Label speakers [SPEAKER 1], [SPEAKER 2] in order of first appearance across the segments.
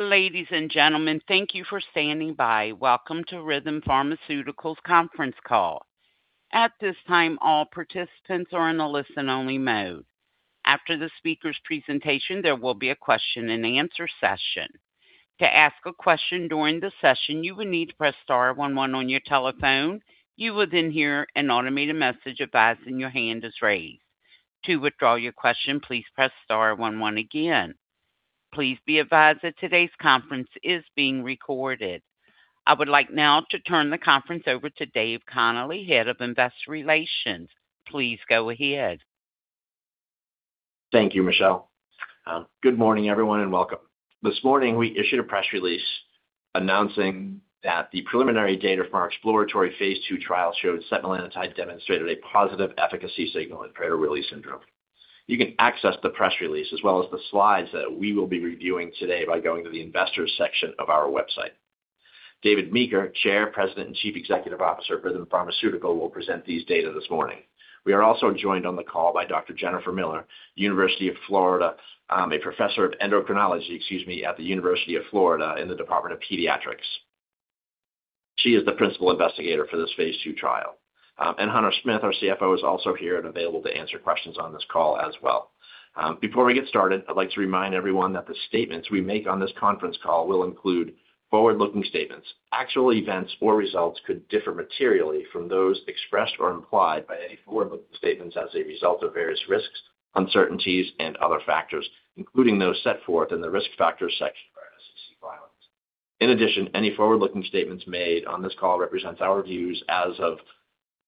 [SPEAKER 1] Ladies and gentlemen, thank you for standing by. Welcome to Rhythm Pharmaceuticals' conference call. At this time, all participants are in a listen-only mode. After the speaker's presentation, there will be a question-and-answer session. To ask a question during the session, you will need to press star one one on your telephone. You will then hear an automated message advising your hand is raised. To withdraw your question, please press star one one again. Please be advised that today's conference is being recorded. I would like now to turn the conference over to Dave Connolly, Head of Investor Relations. Please go ahead.
[SPEAKER 2] Thank you, Michelle. Good morning, everyone, and welcome. This morning, we issued a press release announcing that the preliminary data from our exploratory phase II trial showed that setmelanotide demonstrated a positive efficacy signal in Prader-Willi syndrome. You can access the press release, as well as the slides that we will be reviewing today, by going to the investors' section of our website. David Meeker, Chair, President, and Chief Executive Officer of Rhythm Pharmaceuticals, will present these data this morning. We are also joined on the call by Dr. Jennifer Miller, University of Florida, a professor of endocrinology, excuse me, at the University of Florida in the Department of Pediatrics. She is the principal investigator for this phase II trial. And Hunter Smith, our CFO, is also here and available to answer questions on this call as well. Before we get started, I'd like to remind everyone that the statements we make on this conference call will include forward-looking statements. Actual events or results could differ materially from those expressed or implied by any forward-looking statements as a result of various risks, uncertainties, and other factors, including those set forth in the risk factors section of our SEC file. In addition, any forward-looking statements made on this call represent our views as of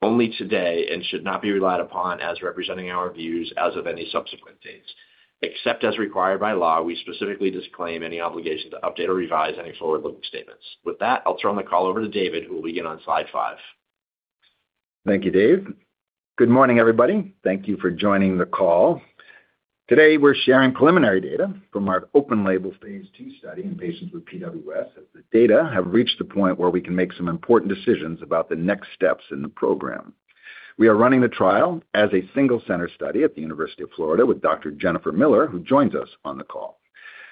[SPEAKER 2] only today and should not be relied upon as representing our views as of any subsequent dates. Except as required by law, we specifically disclaim any obligation to update or revise any forward-looking statements. With that, I'll turn the call over to David, who will begin on slide five.
[SPEAKER 3] Thank you, David. Good morning, everybody. Thank you for joining the call. Today, we're sharing preliminary data from our open-label phase II study in patients with PWS. The data have reached the point where we can make some important decisions about the next steps in the program. We are running the trial as a single-center study at the University of Florida with Dr. Jennifer Miller, who joins us on the call.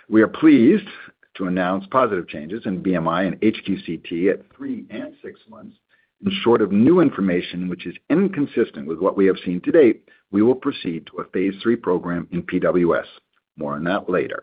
[SPEAKER 3] We are pleased to announce positive changes in BMI and HQ-CT at three and six months. In short, if new information, which is inconsistent with what we have seen to date, we will proceed to a phase III program in PWS. More on that later.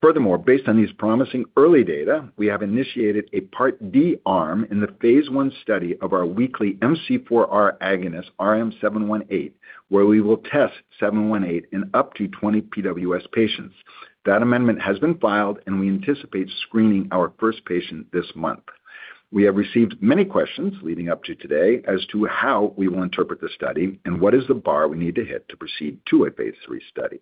[SPEAKER 3] Furthermore, based on these promising early data, we have initiated a Part D arm in the phase I study of our weekly MC4R agonist, RM-718, where we will test 718 in up to 20 PWS patients. That amendment has been filed, and we anticipate screening our first patient this month. We have received many questions leading up to today as to how we will interpret the study and what is the bar we need to hit to proceed to a phase III study.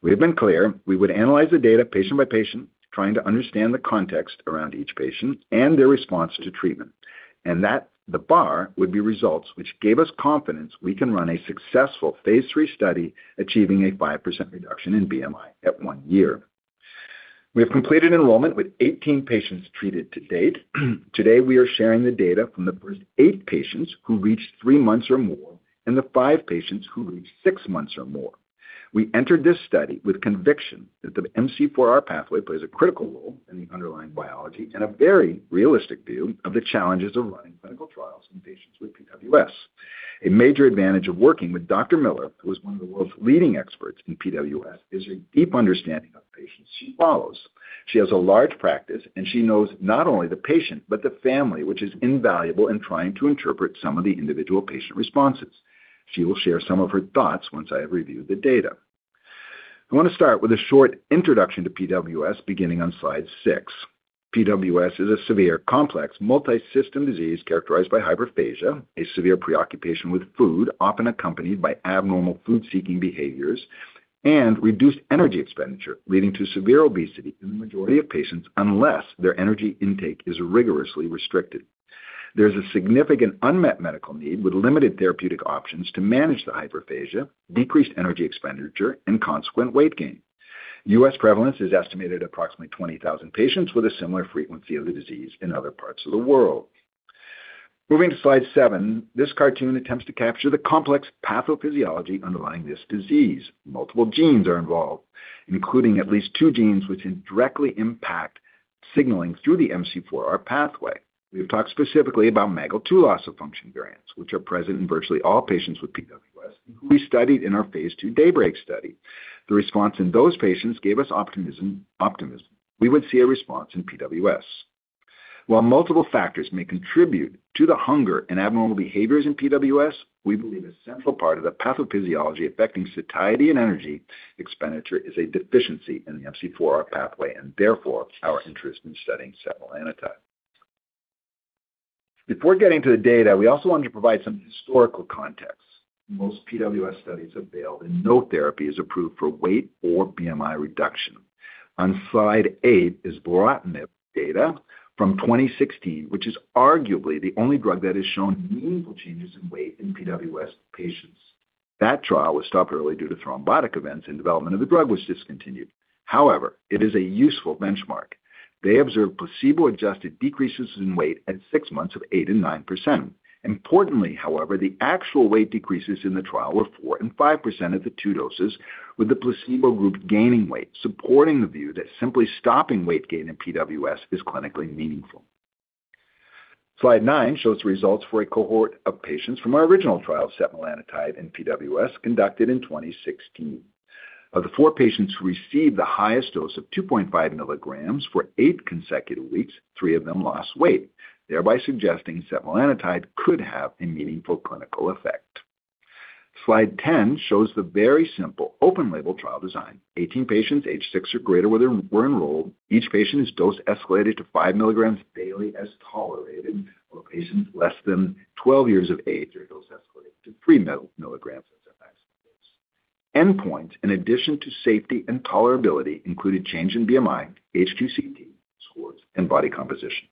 [SPEAKER 3] We have been clear we would analyze the data patient by patient, trying to understand the context around each patient and their response to treatment, and that the bar would be results which gave us confidence we can run a successful phase III study, achieving a 5% reduction in BMI at one year. We have completed enrollment with 18 patients treated to date. Today, we are sharing the data from the first eight patients who reached three months or more and the five patients who reached six months or more. We entered this study with conviction that the MC4R pathway plays a critical role in the underlying biology and a very realistic view of the challenges of running clinical trials in patients with PWS. A major advantage of working with Dr. Miller, who is one of the world's leading experts in PWS, is her deep understanding of patients she follows. She has a large practice, and she knows not only the patient but the family, which is invaluable in trying to interpret some of the individual patient responses. She will share some of her thoughts once I have reviewed the data. I want to start with a short introduction to PWS, beginning on slide six. PWS is a severe, complex, multi-system disease characterized by hyperphagia, a severe preoccupation with food, often accompanied by abnormal food-seeking behaviors, and reduced energy expenditure, leading to severe obesity in the majority of patients unless their energy intake is rigorously restricted. There is a significant unmet medical need with limited therapeutic options to manage the hyperphagia, decreased energy expenditure, and consequent weight gain. U.S. prevalence is estimated at approximately 20,000 patients with a similar frequency of the disease in other parts of the world. Moving to slide seven, this cartoon attempts to capture the complex pathophysiology underlying this disease. Multiple genes are involved, including at least two genes which directly impact signaling through the MC4R pathway. We have talked specifically about MAGEL2 loss of function variants, which are present in virtually all patients with PWS, who we studied in our phase II DAYBREAK study. The response in those patients gave us optimism. We would see a response in PWS. While multiple factors may contribute to the hunger and abnormal behaviors in PWS, we believe a central part of the pathophysiology affecting satiety and energy expenditure is a deficiency in the MC4R pathway, and therefore our interest in studying setmelanotide. Before getting to the data, we also wanted to provide some historical context. Most PWS studies have failed, and no therapy is approved for weight or BMI reduction. On slide eight is beloranib data from 2016, which is arguably the only drug that has shown meaningful changes in weight in PWS patients. That trial was stopped early due to thrombotic events, and development of the drug was discontinued. However, it is a useful benchmark. They observed placebo-adjusted decreases in weight at six months of 8% and 9%. Importantly, however, the actual weight decreases in the trial were 4% and 5% of the two doses, with the placebo group gaining weight, supporting the view that simply stopping weight gain in PWS is clinically meaningful. Slide nine shows the results for a cohort of patients from our original trial of setmelanotide in PWS conducted in 2016. Of the four patients who received the highest dose of 2.5 mg for eight consecutive weeks, three of them lost weight, thereby suggesting setmelanotide could have a meaningful clinical effect. Slide 10 shows the very simple open-label trial design. 18 patients, age six or greater, were enrolled. Each patient is dose escalated to 5 mg daily as tolerated, while patients less than 12 years of age are dose escalated to 3 mg as advised. Endpoints, in addition to safety and tolerability, included change in BMI, HQ-CT scores, and body composition.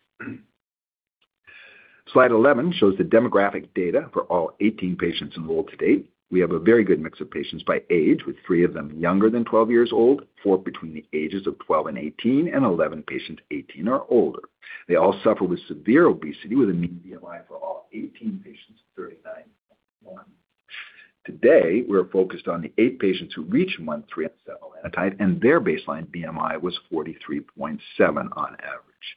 [SPEAKER 3] Slide 11 shows the demographic data for all 18 patients enrolled to date. We have a very good mix of patients by age, with three of them younger than 12 years old, four between the ages of 12 and 18, and 11 patients 18 or older. They all suffer with severe obesity, with a mean BMI for all 18 patients 39.1. Today, we're focused on the eight patients who reached month three of setmelanotide, and their baseline BMI was 43.7 on average.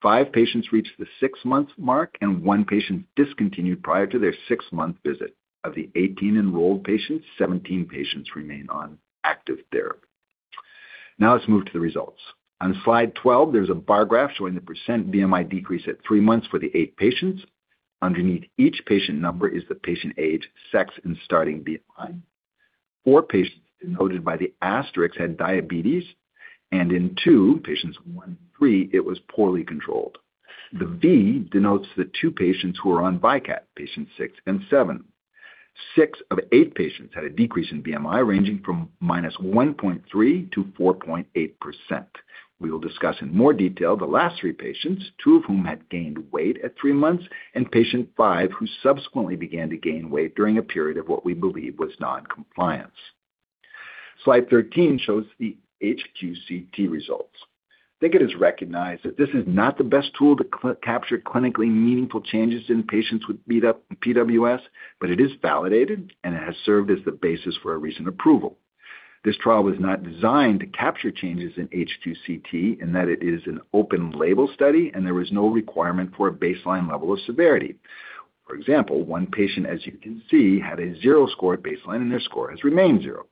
[SPEAKER 3] Five patients reached the six-month mark, and one patient discontinued prior to their six-month visit. Of the 18 enrolled patients, 17 patients remain on active therapy. Now let's move to the results. On slide 12, there's a bar graph showing the % BMI decrease at three months for the eight patients. Underneath each patient number is the patient age, sex, and starting BMI. Four patients denoted by the asterisk had diabetes, and in two, patients one and three, it was poorly controlled. The V denotes the two patients who are on Vykat, patients six and seven. Six of eight patients had a decrease in BMI ranging from -1.3%-4.8%. We will discuss in more detail the last three patients, two of whom had gained weight at three months, and patient five who subsequently began to gain weight during a period of what we believe was noncompliance. Slide 13 shows the HQ-CT results. I think it is recognized that this is not the best tool to capture clinically meaningful changes in patients with PWS, but it is validated, and it has served as the basis for a recent approval. This trial was not designed to capture changes in HQ-CT in that it is an open-label study, and there was no requirement for a baseline level of severity. For example, one patient, as you can see, had a zero score baseline, and their score has remained zero.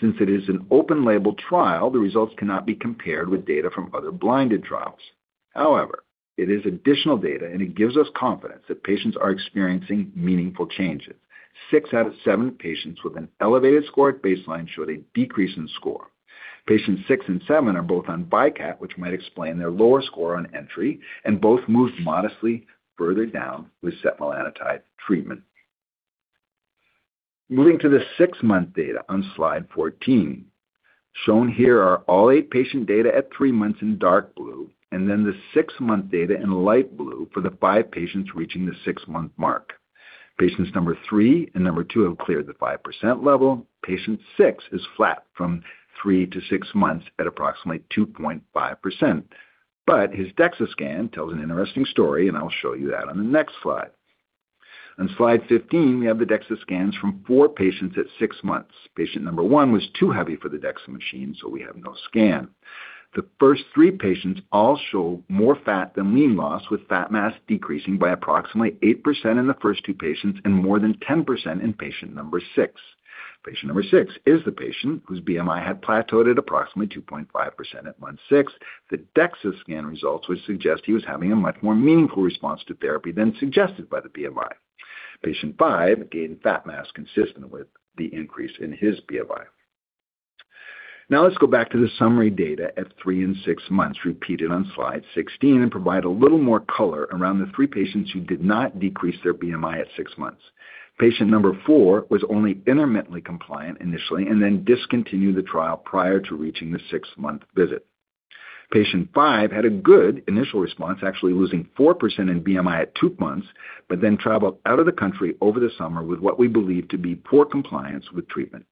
[SPEAKER 3] Since it is an open-label trial, the results cannot be compared with data from other blinded trials. However, it is additional data, and it gives us confidence that patients are experiencing meaningful changes. Six out of seven patients with an elevated score at baseline showed a decrease in score. Patients six and seven are both on Vykat, which might explain their lower score on entry, and both moved modestly further down with setmelanotide treatment. Moving to the six-month data on slide 14. Shown here are all eight patient data at three months in dark blue, and then the six-month data in light blue for the five patients reaching the six-month mark. Patients number three and number two have cleared the 5% level. Patient six is flat from three to six months at approximately 2.5%, but his DEXA scan tells an interesting story, and I'll show you that on the next slide. On slide 15, we have the DEXA scans from four patients at six months. Patient number one was too heavy for the DEXA machine, so we have no scan. The first three patients all show more fat than lean loss, with fat mass decreasing by approximately 8% in the first two patients and more than 10% in patient number six. Patient number six is the patient whose BMI had plateaued at approximately 2.5% at month six. The DEXA scan results would suggest he was having a much more meaningful response to therapy than suggested by the BMI. Patient five gained fat mass consistent with the increase in his BMI. Now let's go back to the summary data at three and six months repeated on slide 16 and provide a little more color around the three patients who did not decrease their BMI at six months. Patient number four was only intermittently compliant initially and then discontinued the trial prior to reaching the six-month visit. Patient five had a good initial response, actually losing 4% in BMI at two months, but then traveled out of the country over the summer with what we believe to be poor compliance with treatment.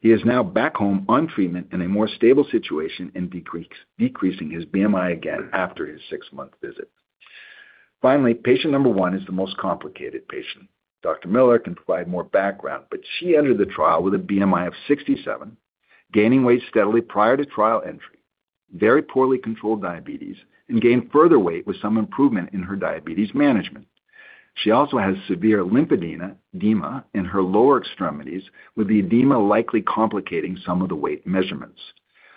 [SPEAKER 3] He is now back home on treatment in a more stable situation and decreasing his BMI again after his six-month visit. Finally, patient number one is the most complicated patient. Dr. Miller can provide more background, but she entered the trial with a BMI of 67, gaining weight steadily prior to trial entry, very poorly controlled diabetes, and gained further weight with some improvement in her diabetes management. She also has severe lymphedema in her lower extremities, with the edema likely complicating some of the weight measurements.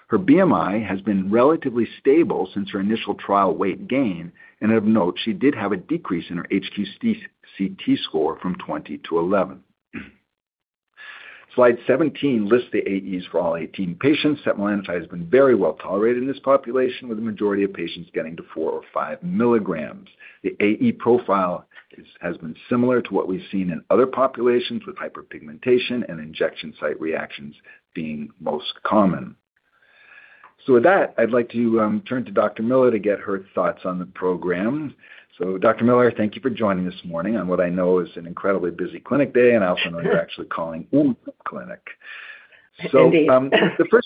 [SPEAKER 3] Her BMI has been relatively stable since her initial trial weight gain, and of note, she did have a decrease in her HQ-CT score from 20-11. Slide 17 lists the AEs for all 18 patients. setmelanotide has been very well tolerated in this population, with the majority of patients getting to 4 mg or 5 mg. The AE profile has been similar to what we've seen in other populations, with hyperpigmentation and injection site reactions being most common. So with that, I'd like to turn to Dr. Miller to get her thoughts on the program. So Dr. Miller, thank you for joining this morning on what I know is an incredibly busy clinic day, and I also know you're actually calling in the clinic. So the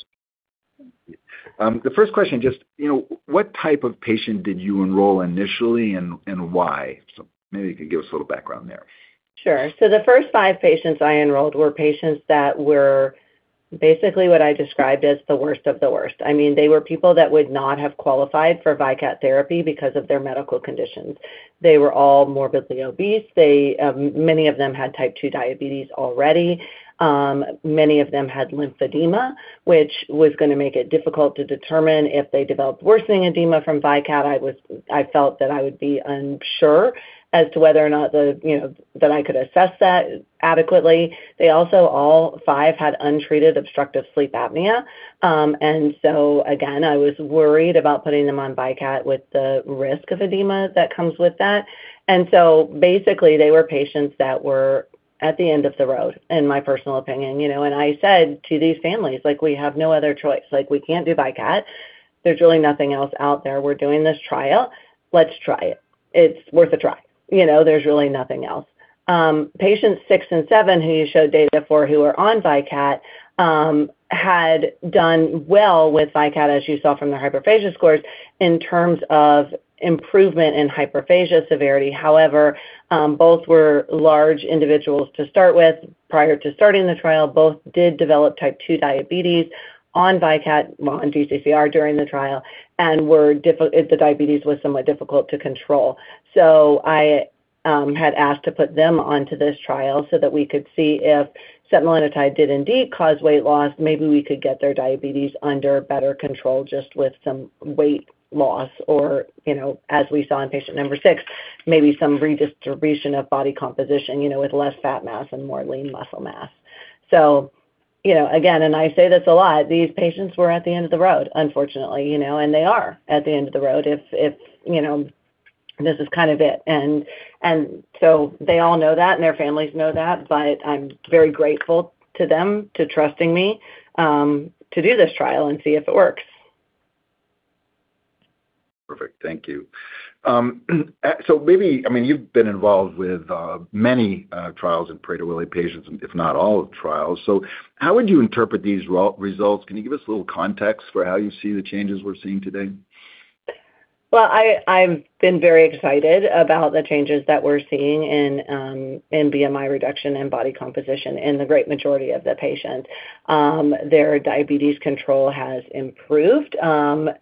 [SPEAKER 3] first question, just what type of patient did you enroll initially and why? So maybe you can give us a little background there.
[SPEAKER 4] Sure. So the first five patients I enrolled were patients that were basically what I described as the worst of the worst. I mean, they were people that would not have qualified for Vykat therapy because of their medical conditions. They were all morbidly obese. Many of them had type 2 diabetes already. Many of them had lymphedema, which was going to make it difficult to determine if they developed worsening edema from Vykat. I felt that I would be unsure as to whether or not I could assess that adequately. They also all five had untreated obstructive sleep apnea, and so again, I was worried about putting them on Vykat with the risk of edema that comes with that. And so basically, they were patients that were at the end of the road, in my personal opinion. And I said to these families, "We have no other choice. We can't do Vykat. There's really nothing else out there. We're doing this trial. Let's try it. It's worth a try. There's really nothing else." Patients six and seven who you showed data for who were on Vykat had done well with Vykat, as you saw from their hyperphagia scores in terms of improvement in hyperphagia severity. However, both were large individuals to start with. Prior to starting the trial, both did develop type 2 diabetes on Vykat, well, on DCCR during the trial, and the diabetes was somewhat difficult to control. So I had asked to put them onto this trial so that we could see if setmelanotide did indeed cause weight loss. Maybe we could get their diabetes under better control just with some weight loss, or as we saw in patient number six, maybe some redistribution of body composition with less fat mass and more lean muscle mass. So again, and I say this a lot, these patients were at the end of the road, unfortunately, and they are at the end of the road if this is kind of it. And so they all know that, and their families know that, but I'm very grateful to them for trusting me to do this trial and see if it works.
[SPEAKER 3] Perfect. Thank you. So maybe, I mean, you've been involved with many trials in Prader-Willi patients, if not all trials. So how would you interpret these results? Can you give us a little context for how you see the changes we're seeing today?
[SPEAKER 4] Well, I've been very excited about the changes that we're seeing in BMI reduction and body composition in the great majority of the patients. Their diabetes control has improved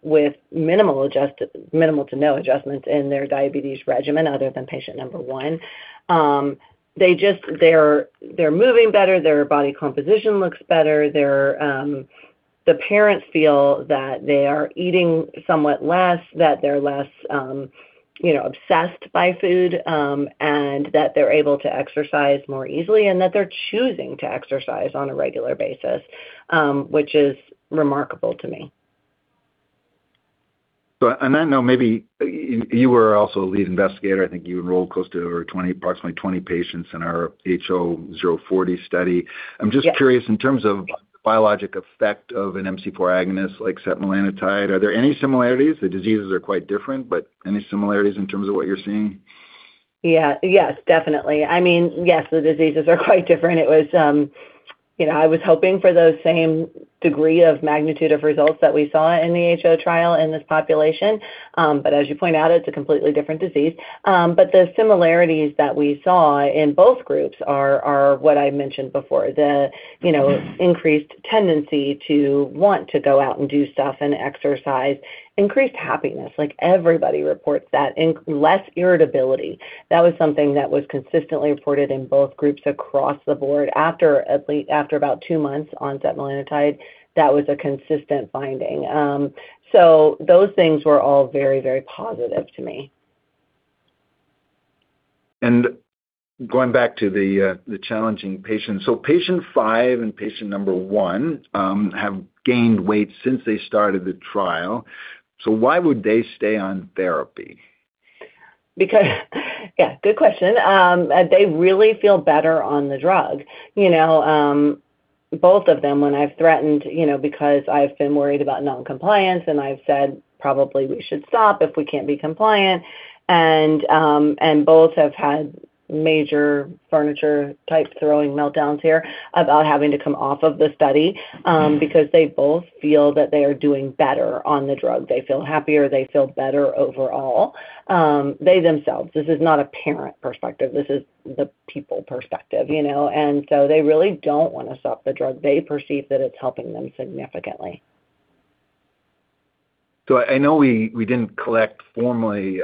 [SPEAKER 4] with minimal to no adjustments in their diabetes regimen other than patient number one. They're moving better. Their body composition looks better. The parents feel that they are eating somewhat less, that they're less obsessed by food, and that they're able to exercise more easily, and that they're choosing to exercise on a regular basis, which is remarkable to me.
[SPEAKER 3] So on that note, maybe you were also a lead investigator. I think you enrolled close to approximately 20 patients in our HO 040 study. I'm just curious in terms of the biologic effect of an MC4R agonist like setmelanotide. Are there any similarities? The diseases are quite different, but any similarities in terms of what you're seeing?
[SPEAKER 4] Yeah. Yes, definitely. I mean, yes, the diseases are quite different. I was hoping for the same degree of magnitude of results that we saw in the HO trial in this population, but as you point out, it's a completely different disease. But the similarities that we saw in both groups are what I mentioned before. The increased tendency to want to go out and do stuff and exercise, increased happiness. Everybody reports that, less irritability. That was something that was consistently reported in both groups across the board. After about two months on setmelanotide, that was a consistent finding. So those things were all very, very positive to me.
[SPEAKER 3] And going back to the challenging patients, so patient five and patient number one have gained weight since they started the trial. So why would they stay on therapy?
[SPEAKER 4] Yeah, good question. They really feel better on the drug. Both of them, when I've threatened because I've been worried about noncompliance, and I've said, "Probably we should stop if we can't be compliant." And both have had major furniture-type throwing meltdowns here about having to come off of the study because they both feel that they are doing better on the drug. They feel happier. They feel better overall. They themselves, this is not a parent perspective. This is the people perspective. And so they really don't want to stop the drug. They perceive that it's helping them significantly.
[SPEAKER 3] I know we didn't collect formally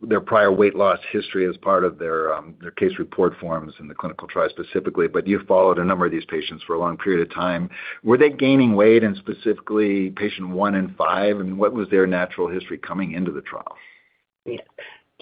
[SPEAKER 3] their prior weight loss history as part of their case report forms in the clinical trial specifically, but you followed a number of these patients for a long period of time. Were they gaining weight, and specifically patient one and five? And what was their natural history coming into the trial?
[SPEAKER 4] Yeah.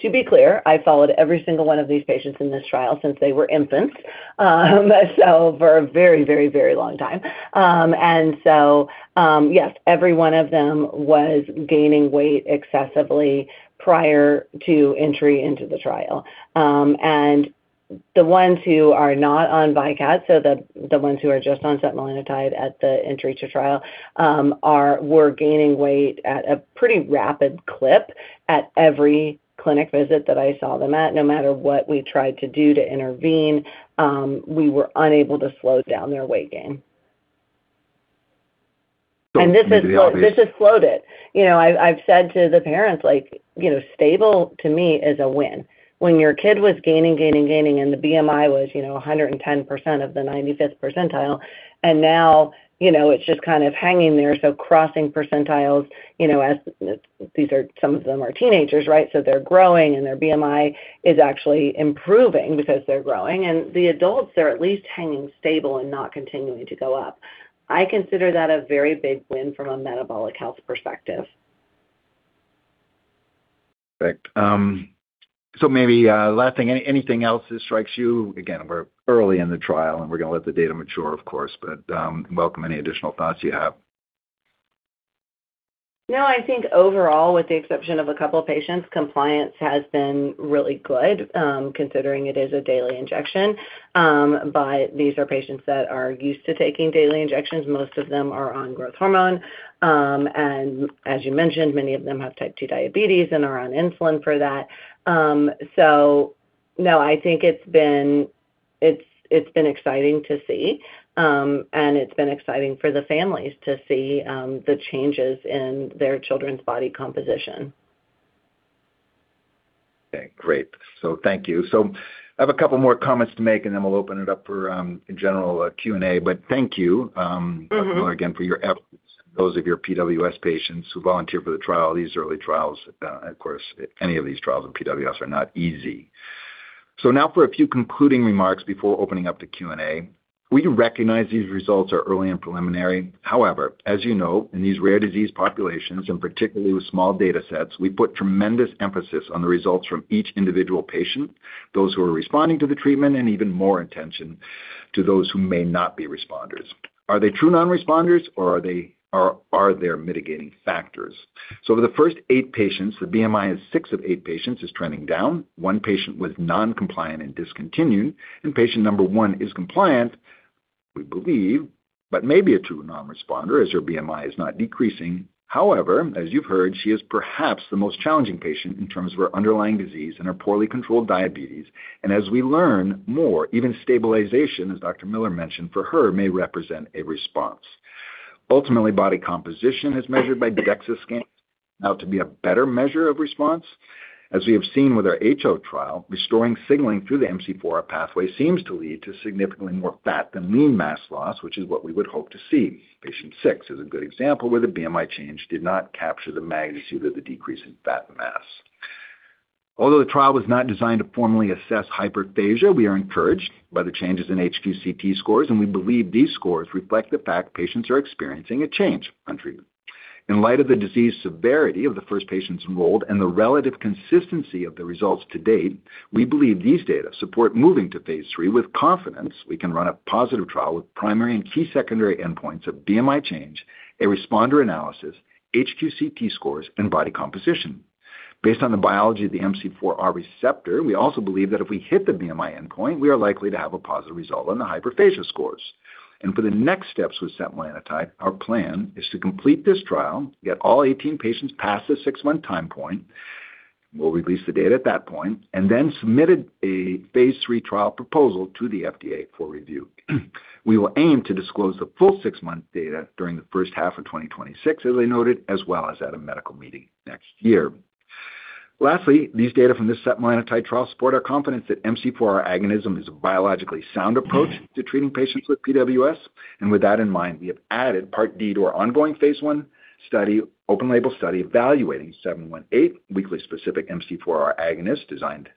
[SPEAKER 4] To be clear, I followed every single one of these patients in this trial since they were infants, so for a very, very, very long time. And so yes, every one of them was gaining weight excessively prior to entry into the trial. And the ones who are not on Vykat, so the ones who are just on setmelanotide at the entry to trial, were gaining weight at a pretty rapid clip at every clinic visit that I saw them at. No matter what we tried to do to intervene, we were unable to slow down their weight gain. And this has slowed it. I've said to the parents, "Stable to me is a win." When your kid was gaining, gaining, gaining, and the BMI was 110% of the 95th percentile, and now it's just kind of hanging there. So crossing percentiles, some of them are teenagers, right? So they're growing, and their BMI is actually improving because they're growing. And the adults, they're at least hanging stable and not continuing to go up. I consider that a very big win from a metabolic health perspective.
[SPEAKER 3] Perfect. So maybe last thing, anything else that strikes you? Again, we're early in the trial, and we're going to let the data mature, of course, but welcome any additional thoughts you have.
[SPEAKER 4] No, I think overall, with the exception of a couple of patients, compliance has been really good considering it is a daily injection. But these are patients that are used to taking daily injections. Most of them are on growth hormone. And as you mentioned, many of them have type 2 diabetes and are on insulin for that. So no, I think it's been exciting to see, and it's been exciting for the families to see the changes in their children's body composition.
[SPEAKER 3] Okay. Great. So thank you. So I have a couple more comments to make, and then we'll open it up for, in general, a Q&A. But thank you, Dr. Miller, again, for your efforts and those of your PWS patients who volunteered for the trial. These early trials, of course, any of these trials in PWS are not easy. So now for a few concluding remarks before opening up to Q&A. We recognize these results are early and preliminary. However, as you know, in these rare disease populations, and particularly with small data sets, we put tremendous emphasis on the results from each individual patient, those who are responding to the treatment, and even more attention to those who may not be responders. Are they true non-responders, or are there mitigating factors? So for the first eight patients, the BMI of six of eight patients is trending down. One patient was non-compliant and discontinued, and patient number one is compliant, we believe, but may be a true non-responder as her BMI is not decreasing. However, as you've heard, she is perhaps the most challenging patient in terms of her underlying disease and her poorly controlled diabetes. And as we learn more, even stabilization, as Dr. Miller mentioned for her may represent a response. Ultimately, body composition is measured by DEXA scans, now to be a better measure of response. As we have seen with our HO trial, restoring signaling through the MC4R pathway seems to lead to significantly more fat than lean mass loss, which is what we would hope to see. Patient six is a good example where the BMI change did not capture the magnitude of the decrease in fat mass. Although the trial was not designed to formally assess hyperphagia, we are encouraged by the changes in HQ-CT scores, and we believe these scores reflect the fact patients are experiencing a change on treatment. In light of the disease severity of the first patients enrolled and the relative consistency of the results to date, we believe these data support moving to phase III with confidence we can run a positive trial with primary and key secondary endpoints of BMI change, a responder analysis, HQ-CT scores, and body composition. Based on the biology of the MC4R receptor, we also believe that if we hit the BMI endpoint, we are likely to have a positive result on the hyperphagia scores. And for the next steps with setmelanotide, our plan is to complete this trial, get all 18 patients past the six-month time point. We'll release the data at that point and then submit a phase III trial proposal to the FDA for review. We will aim to disclose the full six-month data during the first half of 2026, as I noted, as well as at a medical meeting next year. Lastly, these data from this setmelanotide trial support our confidence that MC4R agonism is a biologically sound approach to treating patients with PWS, and with that in mind, we have added Part D to our ongoing phase I study, open-label study evaluating RM-718 weekly specific MC4R agonist designed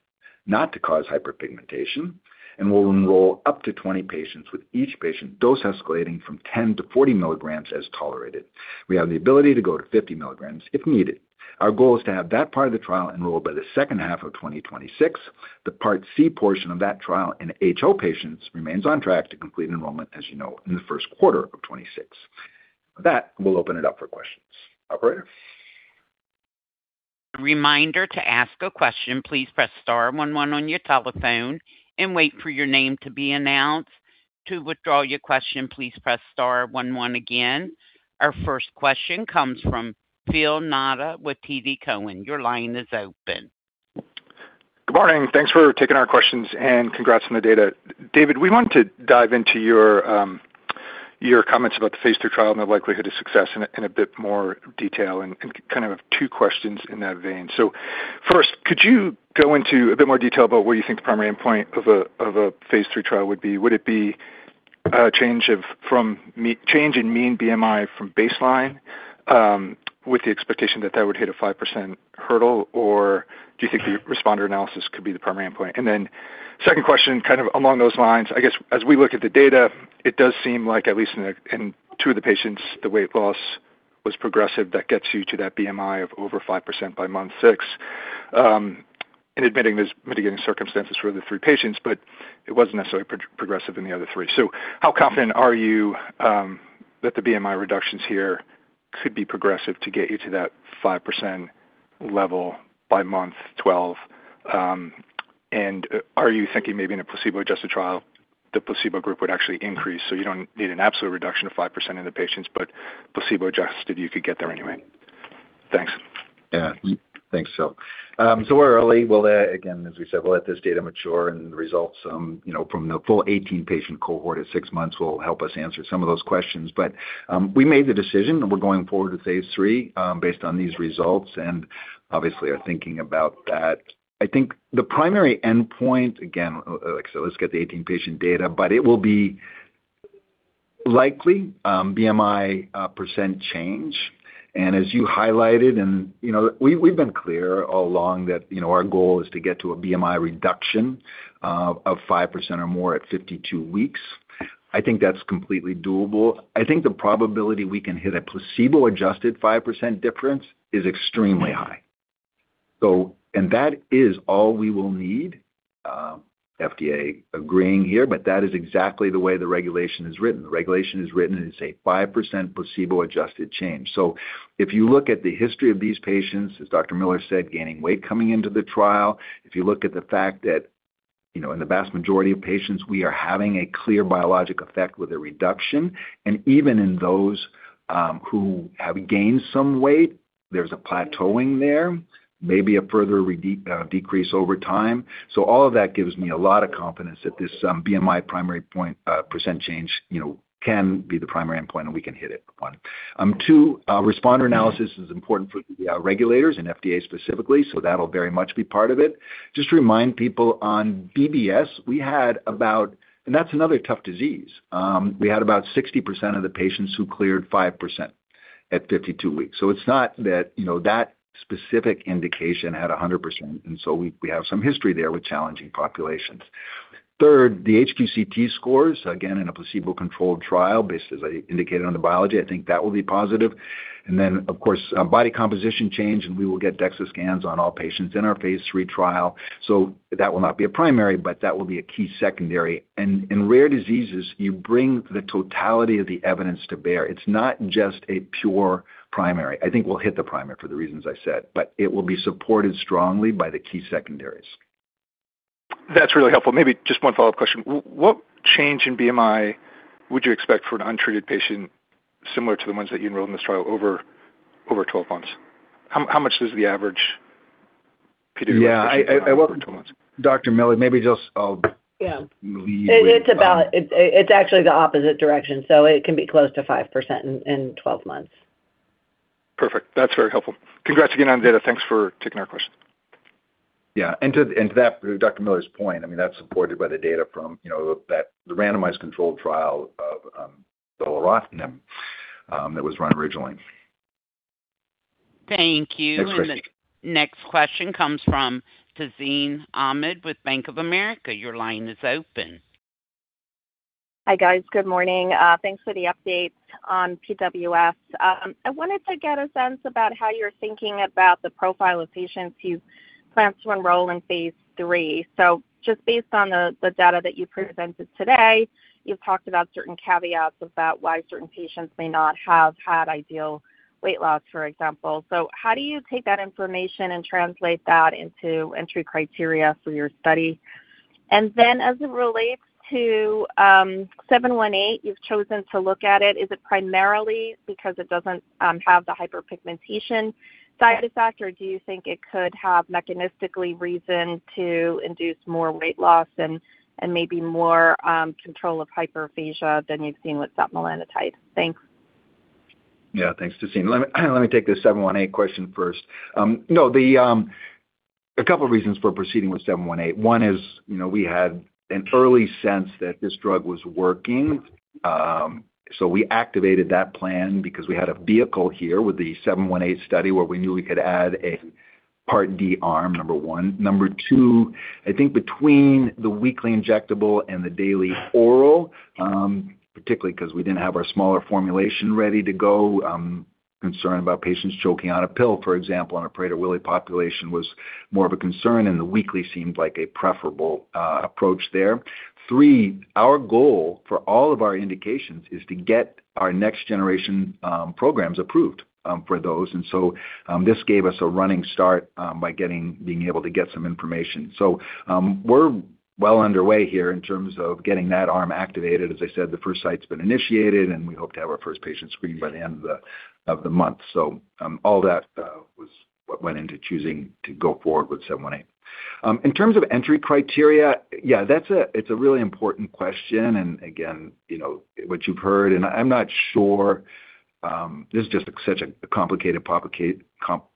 [SPEAKER 3] not to cause hyperpigmentation, and we'll enroll up to 20 patients with each patient dose escalating from 10 mg-40 mg as tolerated. We have the ability to go to 50 mg if needed. Our goal is to have that part of the trial enrolled by the second half of 2026. The Part C portion of that trial in HO patients remains on track to complete enrollment, as you know, in the first quarter of 2026. With that, we'll open it up for questions. Operator.
[SPEAKER 1] Reminder to ask a question. Please press star one one on your telephone and wait for your name to be announced. To withdraw your question, please press star one one again. Our first question comes from Phil Nadeau with TD Cowen. Your line is open.
[SPEAKER 5] Good morning. Thanks for taking our questions and congrats on the data. David, we want to dive into your comments about the phase III trial and the likelihood of success in a bit more detail and kind of have two questions in that vein. So first, could you go into a bit more detail about what you think the primary endpoint of a phase III trial would be? Would it be a change in mean BMI from baseline with the expectation that that would hit a 5% hurdle, or do you think the responder analysis could be the primary endpoint? and then second question, kind of along those lines, I guess as we look at the data, it does seem like at least in two of the patients, the weight loss was progressive. That gets you to that BMI of over 5% by month six. and admitting there's mitigating circumstances for the three patients, but it wasn't necessarily progressive in the other three. so how confident are you that the BMI reductions here could be progressive to get you to that 5% level by month 12? and are you thinking maybe in a placebo-adjusted trial, the placebo group would actually increase? So you don't need an absolute reduction of 5% in the patients, but placebo-adjusted, you could get there anyway. Thanks.
[SPEAKER 3] Yeah. Thanks, Phil. So we're early. Again, as we said, we'll let this data mature, and the results from the full 18-patient cohort at six months will help us answer some of those questions. But we made the decision, and we're going forward to phase III based on these results, and obviously are thinking about that. I think the primary endpoint, again, so let's get the 18-patient data, but it will be likely BMI % change, and as you highlighted, and we've been clear all along that our goal is to get to a BMI reduction of 5% or more at 52 weeks. I think that's completely doable. I think the probability we can hit a placebo-adjusted 5% difference is extremely high. And that is all we will need FDA agreement here, but that is exactly the way the regulation is written. The regulation is written as a 5% placebo-adjusted change. So if you look at the history of these patients, as Dr. Miller said, gaining weight coming into the trial, if you look at the fact that in the vast majority of patients, we are having a clear biologic effect with a reduction. And even in those who have gained some weight, there's a plateauing there, maybe a further decrease over time. So all of that gives me a lot of confidence that this BMI primary endpoint percent change can be the primary endpoint, and we can hit it. Two, responder analysis is important for the regulators and FDA specifically, so that'll very much be part of it. Just to remind people on BBS, we had about, and that's another tough disease. We had about 60% of the patients who cleared 5% at 52 weeks. So it's not that that specific indication had 100%, and so we have some history there with challenging populations. Third, the HQ-CT scores, again, in a placebo-controlled trial, basically as I indicated on the biology, I think that will be positive. And then, of course, body composition change, and we will get DEXA scans on all patients in our phase III trial. So that will not be a primary, but that will be a key secondary. And in rare diseases, you bring the totality of the evidence to bear. It's not just a pure primary. I think we'll hit the primary for the reasons I said, but it will be supported strongly by the key secondaries.
[SPEAKER 5] That's really helpful. Maybe just one follow-up question. What change in BMI would you expect for an untreated patient similar to the ones that you enrolled in this trial over 12 months? How much does the average PWS change in 12 months?
[SPEAKER 3] Dr. Miller, maybe just I'll leave with.
[SPEAKER 4] It's actually the opposite direction, so it can be close to 5% in 12 months.
[SPEAKER 5] Perfect. That's very helpful. Congrats again on the data. Thanks for taking our questions.
[SPEAKER 3] Yeah. And to that, Dr. Miller's point, I mean, that's supported by the data from the randomized controlled trial of DCCR, and then that was run originally.
[SPEAKER 1] Thank you. Next question comes from Tazeen Ahmad with Bank of America. Your line is open.
[SPEAKER 6] Hi, guys. Good morning. Thanks for the updates on PWS. I wanted to get a sense about how you're thinking about the profile of patients you plan to enroll in phase III. So just based on the data that you presented today, you've talked about certain caveats about why certain patients may not have had ideal weight loss, for example. So how do you take that information and translate that into entry criteria for your study? And then as it relates to 718, you've chosen to look at it. Is it primarily because it doesn't have the hyperpigmentation side effect, or do you think it could have mechanistic reason to induce more weight loss and maybe more control of hyperphagia than you've seen with setmelanotide? Thanks.
[SPEAKER 3] Yeah. Thanks, Tazeen. Let me take the 718 question first. No, a couple of reasons for proceeding with 718. One is we had an early sense that this drug was working. We activated that plan because we had a vehicle here with the RM-718 study where we knew we could add a Part D arm, number one. Number two, I think between the weekly injectable and the daily oral, particularly because we didn't have our smaller formulation ready to go, concern about patients choking on a pill, for example, in a Prader-Willi population was more of a concern, and the weekly seemed like a preferable approach there. Three, our goal for all of our indications is to get our next-generation programs approved for those. And so this gave us a running start by being able to get some information. So we're well underway here in terms of getting that arm activated. As I said, the first site's been initiated, and we hope to have our first patient screened by the end of the month. So all that was what went into choosing to go forward with 718. In terms of entry criteria, yeah, it's a really important question. And again, what you've heard, and I'm not sure this is just such a complicated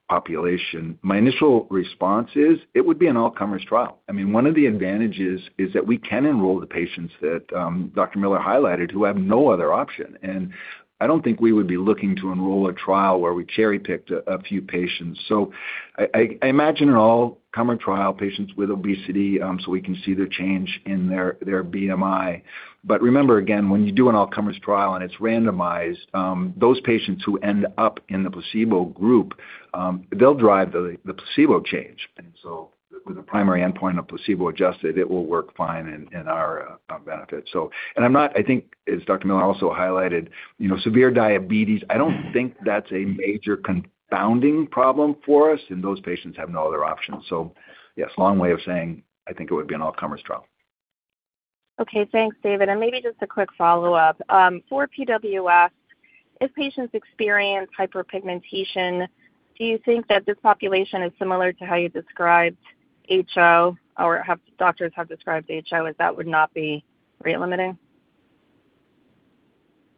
[SPEAKER 3] population. My initial response is it would be an all-comers trial. I mean, one of the advantages is that we can enroll the patients that Dr. Miller highlighted who have no other option. And I don't think we would be looking to enroll a trial where we cherry-picked a few patients. So I imagine an all-comer trial, patients with obesity, so we can see the change in their BMI. But remember, again, when you do an all-comers trial and it's randomized, those patients who end up in the placebo group, they'll drive the placebo change. And so with the primary endpoint of placebo-adjusted, it will work fine in our benefit. I think, as Dr. Miller also highlighted, severe diabetes. I don't think that's a major confounding problem for us, and those patients have no other options. So yes, long way of saying, I think it would be an all-comers trial.
[SPEAKER 6] Okay. Thanks, David. Maybe just a quick follow-up. For PWS, if patients experience hyperpigmentation, do you think that this population is similar to how you described HO or have doctors described HO as that would not be rate limiting?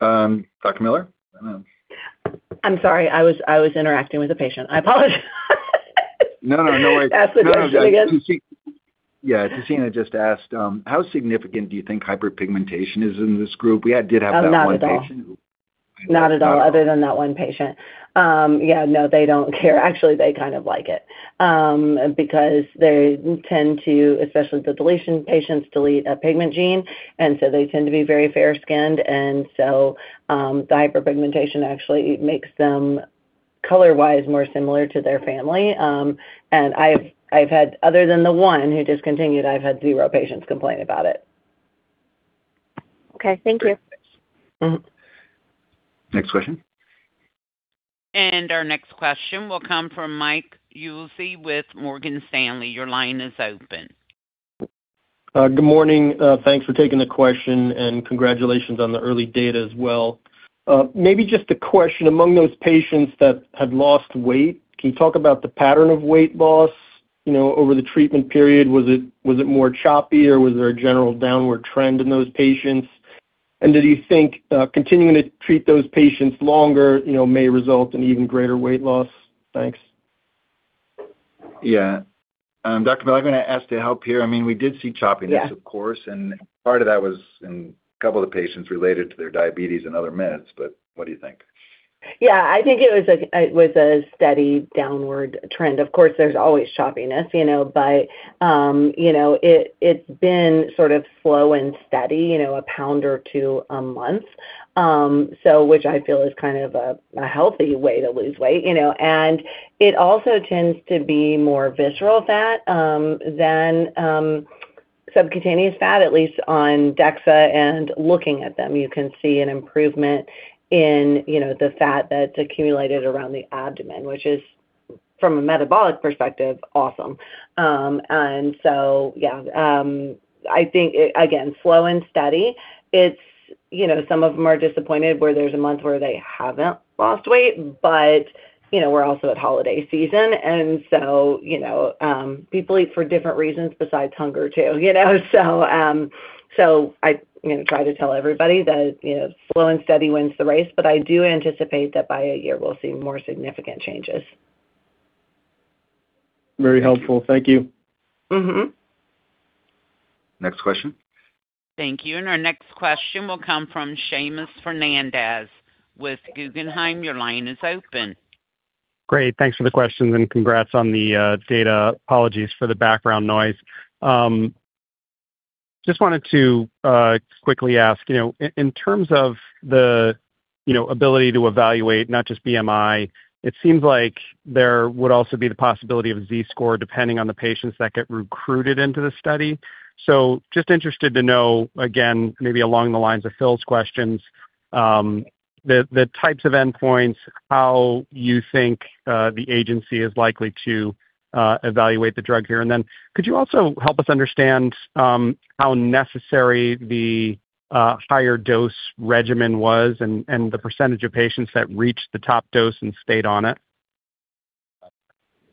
[SPEAKER 3] Dr. Miller?
[SPEAKER 4] I'm sorry. I was interacting with a patient. I apologize.
[SPEAKER 3] No, no. No worries. Yeah. Tazeen had just asked, how significant do you think hyperpigmentation is in this group? We did have that one patient.
[SPEAKER 4] Not at all. Other than that one patient. Yeah. No, they don't care. Actually, they kind of like it because they tend to, especially the deletion patients, delete a pigment gene. They tend to be very fair-skinned. The hyperpigmentation actually makes them, color-wise, more similar to their family. I've had, other than the one who discontinued, I've had zero patients complain about it.
[SPEAKER 6] Okay. Thank you.
[SPEAKER 3] Next question.
[SPEAKER 1] Our next question will come from Mike Ulz with Morgan Stanley. Your line is open.
[SPEAKER 7] Good morning. Thanks for taking the question, and congratulations on the early data as well. Maybe just a question. Among those patients that had lost weight, can you talk about the pattern of weight loss over the treatment period? Was it more choppy, or was there a general downward trend in those patients? Do you think continuing to treat those patients longer may result in even greater weight loss? Thanks.
[SPEAKER 3] Yeah. Dr. Miller, I'm going to ask for help here. I mean, we did see choppiness, of course. And part of that was in a couple of the patients related to their diabetes and other meds. But what do you think?
[SPEAKER 4] Yeah. I think it was a steady downward trend. Of course, there's always choppiness, but it's been sort of slow and steady, a pound or two a month, which I feel is kind of a healthy way to lose weight. And it also tends to be more visceral fat than subcutaneous fat, at least on DEXA. And looking at them, you can see an improvement in the fat that's accumulated around the abdomen, which is, from a metabolic perspective, awesome. And so, yeah, I think, again, slow and steady. Some of them are disappointed where there's a month where they haven't lost weight, but we're also at holiday season. And so people eat for different reasons besides hunger too. So I'm going to try to tell everybody that slow and steady wins the race, but I do anticipate that by a year, we'll see more significant changes.
[SPEAKER 7] Very helpful. Thank you.
[SPEAKER 3] Next question.
[SPEAKER 1] Thank you. And our next question will come from Seamus Fernandez with Guggenheim. Your line is open.
[SPEAKER 8] Great. Thanks for the question, and congrats on the data. Apologies for the background noise. Just wanted to quickly ask, in terms of the ability to evaluate not just BMI, it seems like there would also be the possibility of a Z-scores depending on the patients that get recruited into the study. So just interested to know, again, maybe along the lines of Phil's questions, the types of endpoints, how you think the agency is likely to evaluate the drug here. And then could you also help us understand how necessary the higher dose regimen was and the percentage of patients that reached the top dose and stayed on it?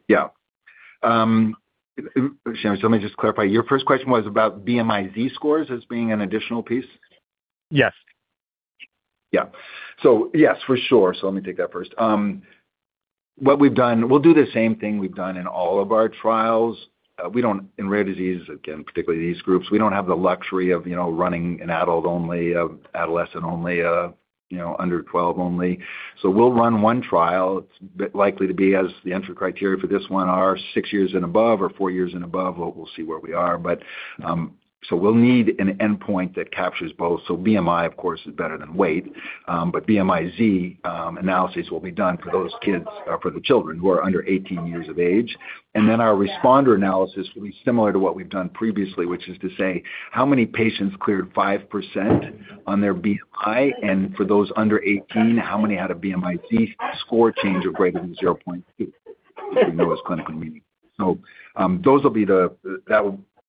[SPEAKER 3] Yeah. Seamus, let me just clarify. Your first question was about BMI Z-scores as being an additional piece?
[SPEAKER 8] Yes.
[SPEAKER 3] Yeah. So yes, for sure. So let me take that first. We'll do the same thing we've done in all of our trials. In rare diseases, again, particularly these groups, we don't have the luxury of running an adult-only, adolescent-only, under 12-only. So we'll run one trial. It's likely to be, as the entry criteria for this one, six years and above or four years and above. We'll see where we are. So we'll need an endpoint that captures both. So BMI, of course, is better than weight, but BMI Z analysis will be done for those kids, for the children who are under 18 years of age. And then our responder analysis will be similar to what we've done previously, which is to say how many patients cleared 5% on their BMI, and for those under 18, how many had a BMI Z-scores change of greater than 0.2, which we know is clinically meaningful. So those will be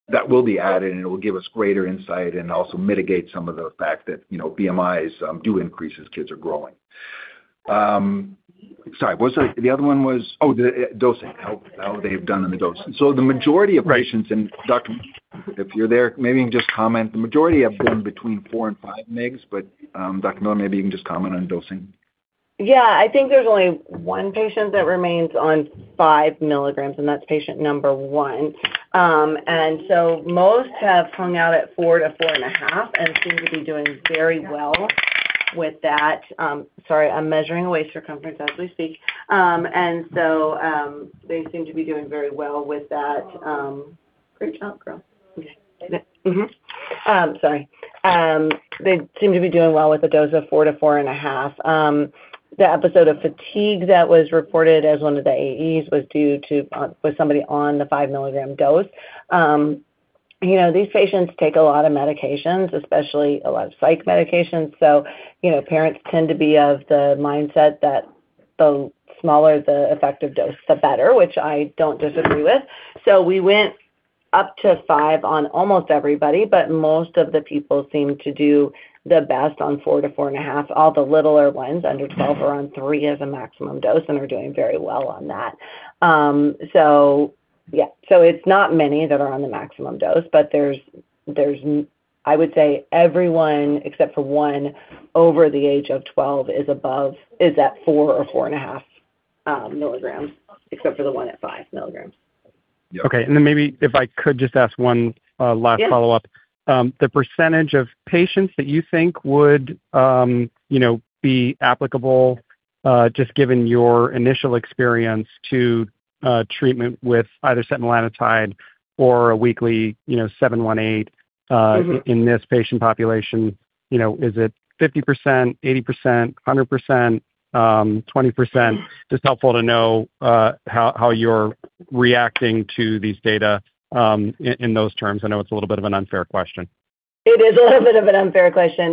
[SPEAKER 3] that will be added, and it will give us greater insight and also mitigate some of the fact that BMIs do increase as kids are growing. Sorry. The other one was, oh, the dosing, how they've done on the dose. So the majority of patients, and Dr., if you're there, maybe you can just comment. The majority have been between four and five mgs, but Dr. Miller, maybe you can just comment on dosing.
[SPEAKER 4] Yeah. I think there's only one patient that remains on 5 mg, and that's patient number one. And so most have hung out at four to four and a half and seem to be doing very well with that. Sorry, I'm measuring waist circumference as we speak. And so they seem to be doing very well with that. Great job, girl. Sorry. They seem to be doing well with a dose of four to four and a half. The episode of fatigue that was reported as one of the AEs was due to somebody on the 5-milligram dose. These patients take a lot of medications, especially a lot of psych medications. So parents tend to be of the mindset that the smaller the effective dose, the better, which I don't disagree with. We went up to five on almost everybody, but most of the people seem to do the best on four to four and a half. All the littler ones, under 12, are on three as a maximum dose and are doing very well on that. So yeah. It's not many that are on the maximum dose, but I would say everyone except for one over the age of 12 is at 4 mg or 4.5 mg except for the one at 5 mg.
[SPEAKER 8] Okay, and then maybe if I could just ask one last follow-up, the percentage of patients that you think would be applicable, just given your initial experience to treatment with either setmelanotide or a weekly 718 in this patient population, is it 50%, 80%, 100%, 20%? Just helpful to know how you're reacting to these data in those terms. I know it's a little bit of an unfair question.
[SPEAKER 4] It is a little bit of an unfair question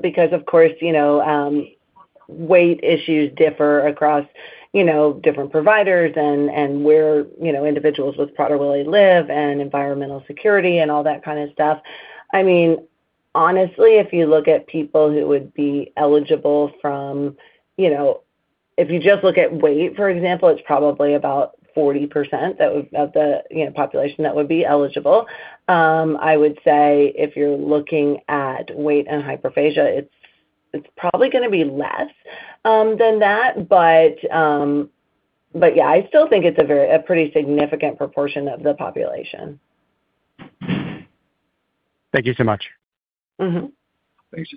[SPEAKER 4] because, of course, weight issues differ across different providers and where individuals with Prader-Willi live and environmental security and all that kind of stuff. I mean, honestly, if you look at people who would be eligible from if you just look at weight, for example, it's probably about 40% of the population that would be eligible. I would say if you're looking at weight and hyperphagia, it's probably going to be less than that. But yeah, I still think it's a pretty significant proportion of the population.
[SPEAKER 8] Thank you so much.
[SPEAKER 3] Thanks so much.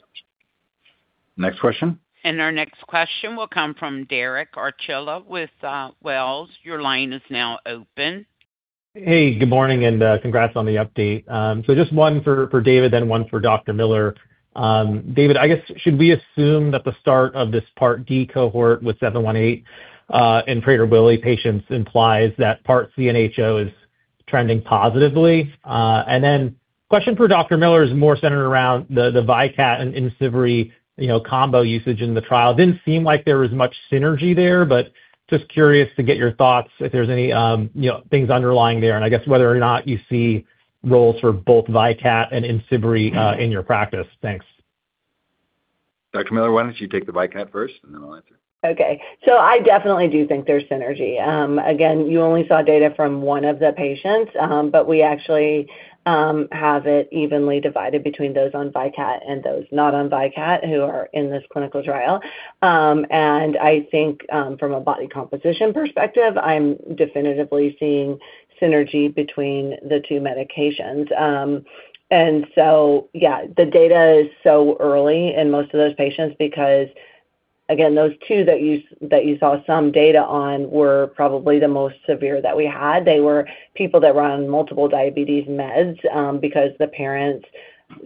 [SPEAKER 3] Next question.
[SPEAKER 1] And our next question will come from Derek Archila with Wells. Your line is now open.
[SPEAKER 9] Hey. Good morning, and congrats on the update. So just one for David, then one for Dr. Miller. David, I guess, should we assume that the start of this Part D cohort with 718 in Prader-Willi patients implies that Part C and HO is trending positively? And then question for Dr. Miller is more centered around the Vykat and Imcivree combo usage in the trial. Didn't seem like there was much synergy there, but just curious to get your thoughts if there's any things underlying there, and I guess whether or not you see roles for both Vykat and Imcivree in your practice. Thanks.
[SPEAKER 3] Dr. Miller, why don't you take the Vykat first, and then I'll answer.
[SPEAKER 4] Okay. So I definitely do think there's synergy. Again, you only saw data from one of the patients, but we actually have it evenly divided between those on Vykat and those not on Vykat who are in this clinical trial. I think from a body composition perspective, I'm definitively seeing synergy between the two medications. So yeah, the data is so early in most of those patients because, again, those two that you saw some data on were probably the most severe that we had. They were people that were on multiple diabetes meds because the parents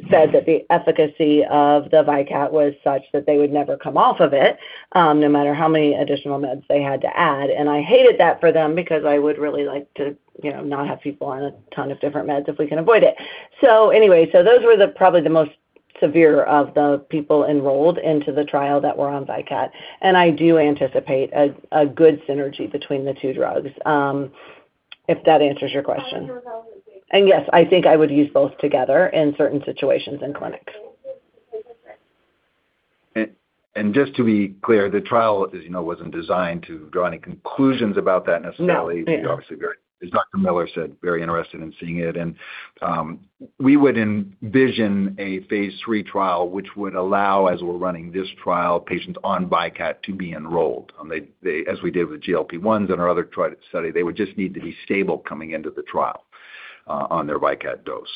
[SPEAKER 4] said that the efficacy of the Vykat was such that they would never come off of it no matter how many additional meds they had to add. And I hated that for them because I would really like to not have people on a ton of different meds if we can avoid it. So anyway, those were probably the most severe of the people enrolled into the trial that were on Vykat. And I do anticipate a good synergy between the two drugs if that answers your question. Yes, I think I would use both together in certain situations in clinics.
[SPEAKER 3] Just to be clear, the trial wasn't designed to draw any conclusions about that necessarily. As Dr. Miller said, she's very interested in seeing it. We would envision a phase III trial which would allow, as we're running this trial, patients on Vykat to be enrolled. As we did with GLP-1s and our other study, they would just need to be stable coming into the trial on their Vykat dose.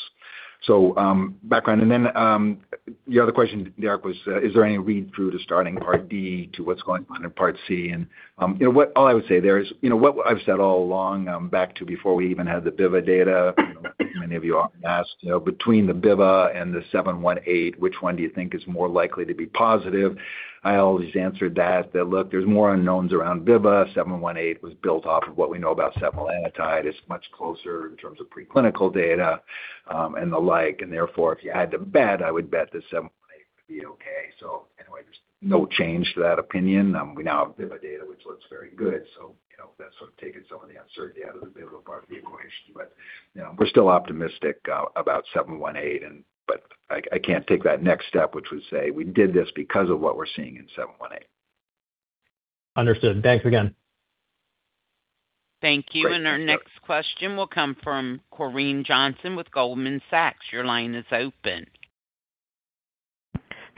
[SPEAKER 3] So background. Then your other question, Derek, was, is there any read-through to starting Part D to what's going on in Part C? And all I would say there is what I've said all along, back to before we even had the BIVA data. Many of you asked, between the BIVA and the 718, which one do you think is more likely to be positive? I always answered that, look, there's more unknowns around BIVA. 718 was built off of what we know about setmelanotide antibody. It's much closer in terms of preclinical data and the like. And therefore, if you add them back, I would bet that 718 would be okay. So anyway, there's no change to that opinion. We now have BIVA data, which looks very good. So that's sort of taken some of the uncertainty out of the BIVA part of the equation. But we're still optimistic about 718, but I can't take that next step, which would say we did this because of what we're seeing in 718.
[SPEAKER 9] Understood. Thanks again.
[SPEAKER 1] Thank you. And our next question will come from Corinne Jenkins with Goldman Sachs. Your line is open.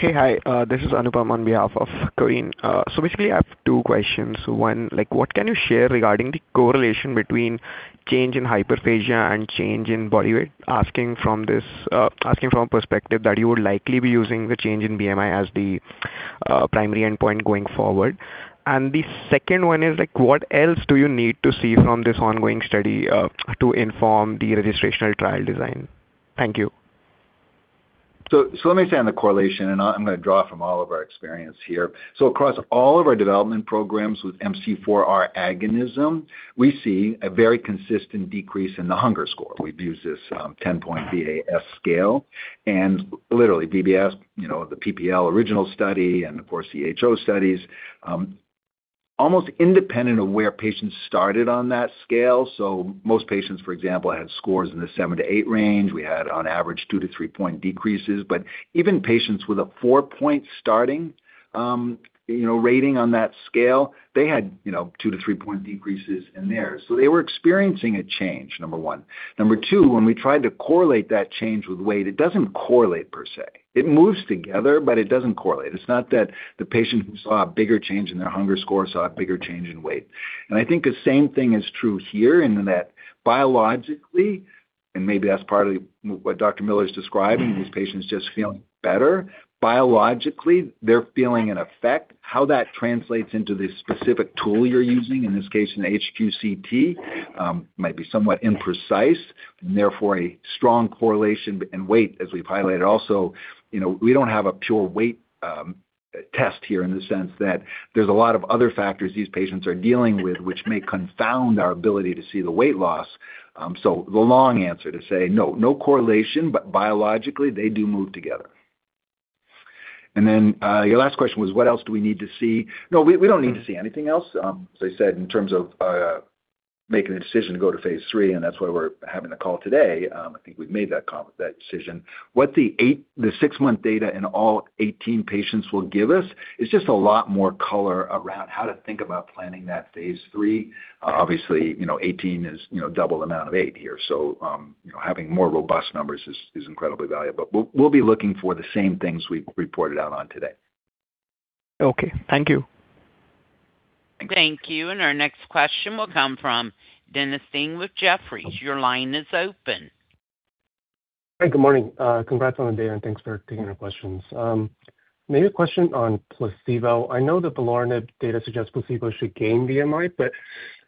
[SPEAKER 10] Hey, hi. This is Anupam on behalf of Corinne. So basically, I have two questions. One, what can you share regarding the correlation between change in hyperphagia and change in body weight? Asking from a perspective that you would likely be using the change in BMI as the primary endpoint going forward. And the second one is, what else do you need to see from this ongoing study to inform the registrational trial design? Thank you.
[SPEAKER 3] So let me expand the correlation, and I'm going to draw from all of our experience here. So across all of our development programs with MC4R agonism, we see a very consistent decrease in the hunger score. We've used this 10-point VAS scale. Literally, BBS, the PPL original study, and of course, the HO studies, almost independent of where patients started on that scale. So most patients, for example, had scores in the 7-8 range. We had, on average, two to three-point decreases. But even patients with a four-point starting rating on that scale, they had two to three-point decreases in there. So they were experiencing a change, number one. Number two, when we tried to correlate that change with weight, it doesn't correlate per se. It moves together, but it doesn't correlate. It's not that the patient who saw a bigger change in their hunger score saw a bigger change in weight. And I think the same thing is true here in that biologically, and maybe that's part of what Dr. Miller's describing, these patients just feeling better. Biologically, they're feeling an effect. How that translates into the specific tool you're using, in this case, an HQ-CT, might be somewhat imprecise. And therefore, a strong correlation in weight, as we've highlighted. Also, we don't have a pure weight test here in the sense that there's a lot of other factors these patients are dealing with, which may confound our ability to see the weight loss. So the long answer to say, no, no correlation, but biologically, they do move together. And then your last question was, what else do we need to see? No, we don't need to see anything else. As I said, in terms of making a decision to go to phase III, and that's why we're having the call today, I think we've made that decision. What the six-month data in all 18 patients will give us is just a lot more color around how to think about planning that phase III. Obviously, 18 is double the amount of eight here. So having more robust numbers is incredibly valuable. But we'll be looking for the same things we reported out on today.
[SPEAKER 10] Okay. Thank you.
[SPEAKER 1] Thank you. And our next question will come from Dennis Ding with Jefferies. Your line is open.
[SPEAKER 11] Hi. Good morning. Congrats on the day, and thanks for taking our questions. Maybe a question on placebo. I know that the beloranib data suggests placebo should gain BMI, but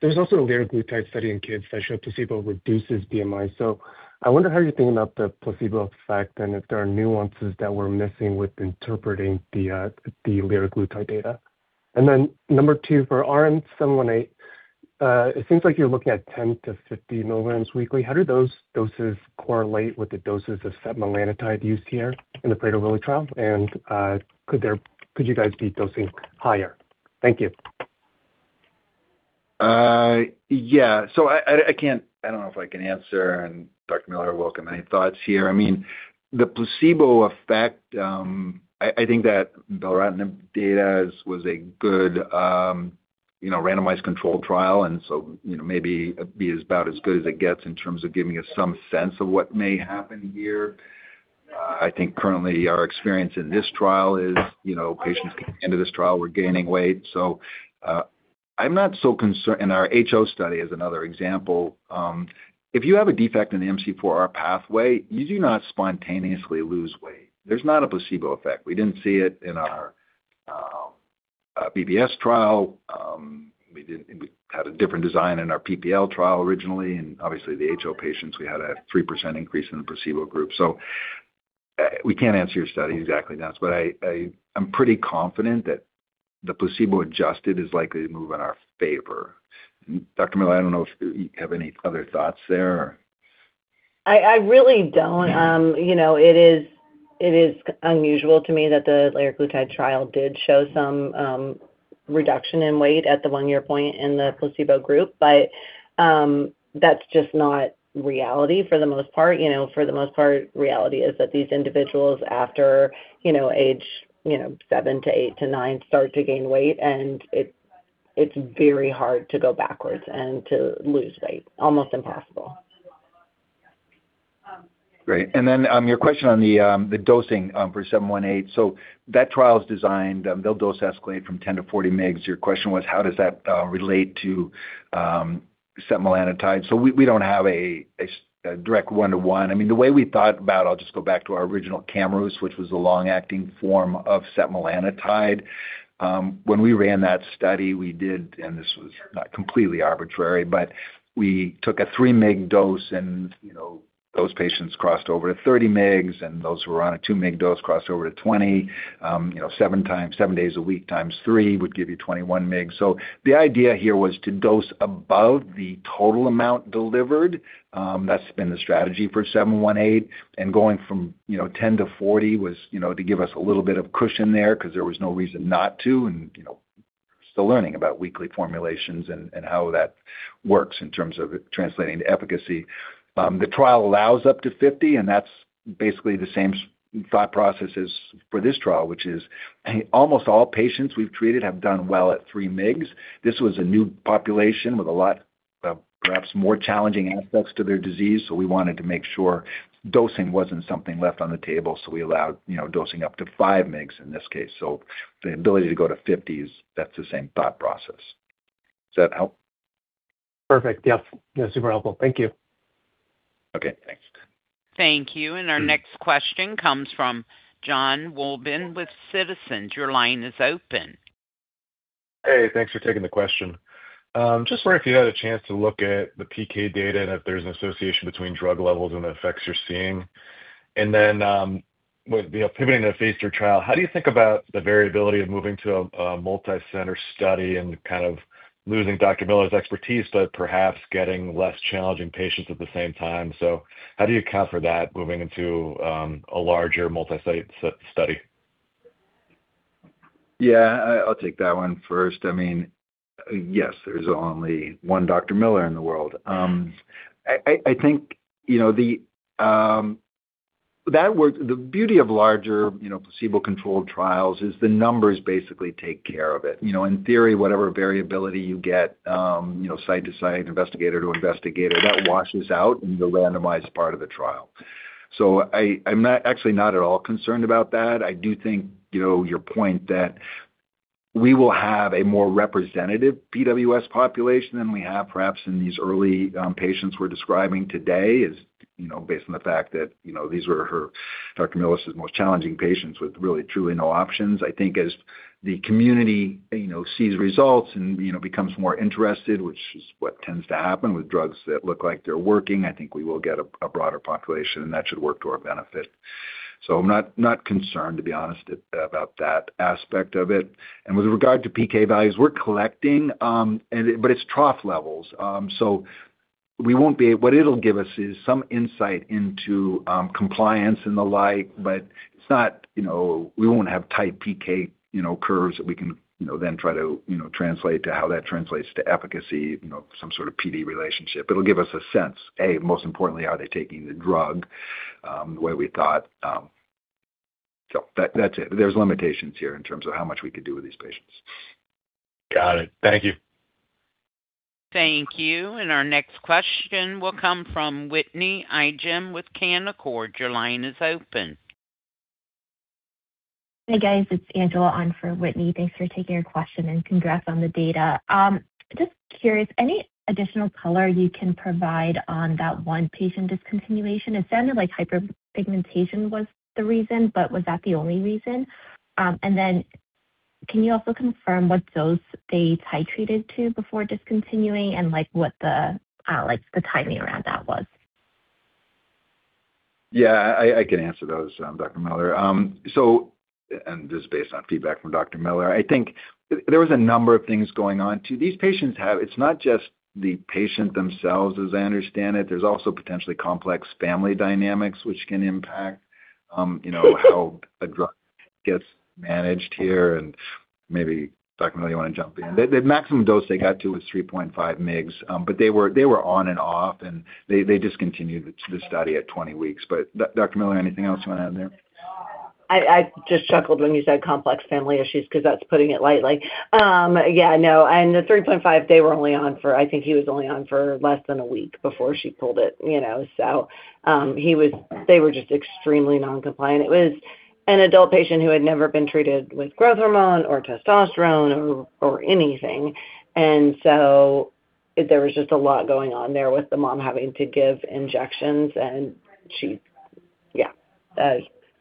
[SPEAKER 11] there's also a liraglutide study in kids that showed placebo reduces BMI. So I wonder how you're thinking about the placebo effect and if there are nuances that we're missing with interpreting the liraglutide data. And then number two, for RM-718, it seems like you're looking at 10 mg-50 mg weekly. How do those doses correlate with the doses of setmelanotide used here in the Prader-Willi trial? And could you guys be dosing higher? Thank you.
[SPEAKER 3] Yeah. So I don't know if I can answer, and Dr. Miller will come in. Any thoughts here? I mean, the placebo effect. I think that beloranib data was a good randomized controlled trial, and so maybe it'd be about as good as it gets in terms of giving us some sense of what may happen here. I think currently, our experience in this trial is patients come into this trial, we're gaining weight. So I'm not so concerned. And our HO study is another example. If you have a defect in the MC4R pathway, you do not spontaneously lose weight. There's not a placebo effect. We didn't see it in our BBS trial. We had a different design in our PPL trial originally. And obviously, the HO patients, we had a 3% increase in the placebo group. So we can't answer your study exactly on that. But I'm pretty confident that the placebo adjusted is likely to move in our favor. Dr. Miller, I don't know if you have any other thoughts there.
[SPEAKER 4] I really don't. It is unusual to me that the liraglutide trial did show some reduction in weight at the one-year point in the placebo group, but that's just not reality for the most part. For the most part, reality is that these individuals after age seven to eight to nine start to gain weight, and it's very hard to go backwards and to lose weight. Almost impossible.
[SPEAKER 3] Great, and then your question on the dosing for 718. That trial's designed. They'll dose escalate from 10 mg-40 mg. Your question was, how does that relate to setmelanotide? We don't have a direct one-to-one. I mean, the way we thought about it, I'll just go back to our original Camurus, which was a long-acting form of setmelanotide. When we ran that study, we did, and this was not completely arbitrary, but we took a 3 mg dose, and those patients crossed over to 30 mg, and those who were on a 2 mg dose crossed over to 20. Seven times, seven days a week times three would give you 21 mg. The idea here was to dose above the total amount delivered. That's been the strategy for 718. Going from 10-40 was to give us a little bit of cushion there because there was no reason not to. We're still learning about weekly formulations and how that works in terms of translating to efficacy. The trial allows up to 50, and that's basically the same thought process as for this trial, which is almost all patients we've treated have done well at 3 mg. This was a new population with a lot of perhaps more challenging aspects to their disease. So we wanted to make sure dosing wasn't something left on the table. So we allowed dosing up to 5 mg in this case. So the ability to go to 50s, that's the same thought process. Does that help?
[SPEAKER 11] Perfect. Yes. Yeah, super helpful. Thank you.
[SPEAKER 3] Okay. Thanks.
[SPEAKER 1] Thank you. Our next question comes from Jon Wolleben with Citizens. Your line is open.
[SPEAKER 12] Hey. Thanks for taking the question. Just wondering if you had a chance to look at the PK data and if there's an association between drug levels and the effects you're seeing. And then pivoting to the phase III trial, how do you think about the variability of moving to a multicenter study and kind of losing Dr. Miller's expertise, but perhaps getting less challenging patients at the same time? So how do you account for that moving into a larger multicenter study?
[SPEAKER 3] Yeah. I'll take that one first. I mean, yes, there's only one Dr. Miller in the world. I think that the beauty of larger placebo-controlled trials is the numbers basically take care of it. In theory, whatever variability you get site to site, investigator to investigator, that washes out in the randomized part of the trial. So I'm actually not at all concerned about that. I do think your point that we will have a more representative PWS population than we have perhaps in these early patients we're describing today is based on the fact that these were Dr. Miller's most challenging patients with really, truly no options. I think as the community sees results and becomes more interested, which is what tends to happen with drugs that look like they're working, I think we will get a broader population, and that should work to our benefit. I'm not concerned, to be honest, about that aspect of it. With regard to PK values, we're collecting, but it's trough levels. What it'll give us is some insight into compliance and the like, but it's not. We won't have tight PK curves that we can then try to translate to how that translates to efficacy, some sort of PD relationship. It'll give us a sense, A, most importantly, are they taking the drug the way we thought? So that's it. There's limitations here in terms of how much we could do with these patients.
[SPEAKER 12] Got it. Thank you.
[SPEAKER 1] Thank you. And our next question will come from Whitney Ijem with Canaccord. Your line is open.
[SPEAKER 13] Hey, guys. It's Angela on for Whitney. Thanks for taking your question and congrats on the data. Just curious, any additional color you can provide on that one patient discontinuation? It sounded like hyperpigmentation was the reason, but was that the only reason? And then can you also confirm what dose they titrated to before discontinuing and what the timing around that was?
[SPEAKER 3] Yeah. I can answer those, Dr. Miller. And this is based on feedback from Dr. Miller. I think there was a number of things going on too. These patients have. It's not just the patient themselves as I understand it. There's also potentially complex family dynamics, which can impact how a drug gets managed here, and maybe Dr. Miller, you want to jump in. The maximum dose they got to was 3.5 mg, but they were on and off, and they discontinued the study at 20 weeks. But Dr. Miller, anything else you want to add there?
[SPEAKER 4] I just chuckled when you said complex family issues because that's putting it lightly. Yeah, no, and the 3.5, they were only on for. I think he was only on for less than a week before she pulled it. So they were just extremely non-compliant. It was an adult patient who had never been treated with growth hormone or testosterone or anything, and so there was just a lot going on there with the mom having to give injections. Yeah,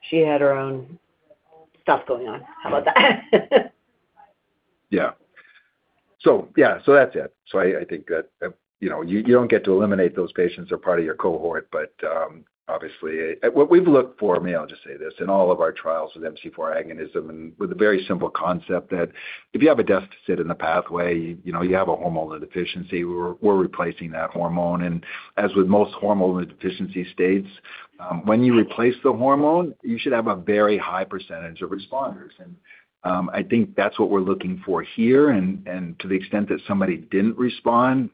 [SPEAKER 4] she had her own stuff going on. How about that?
[SPEAKER 3] Yeah. So yeah, so that's it. So I think that you don't get to eliminate those patients or part of your cohort, but obviously, what we've looked for, I mean, I'll just say this, in all of our trials with MC4R agonism and with a very simple concept that if you have a deficit in the pathway, you have a hormonal deficiency, we're replacing that hormone. And as with most hormonal deficiency states, when you replace the hormone, you should have a very high percentage of responders. And I think that's what we're looking for here. And to the extent that somebody didn't respond,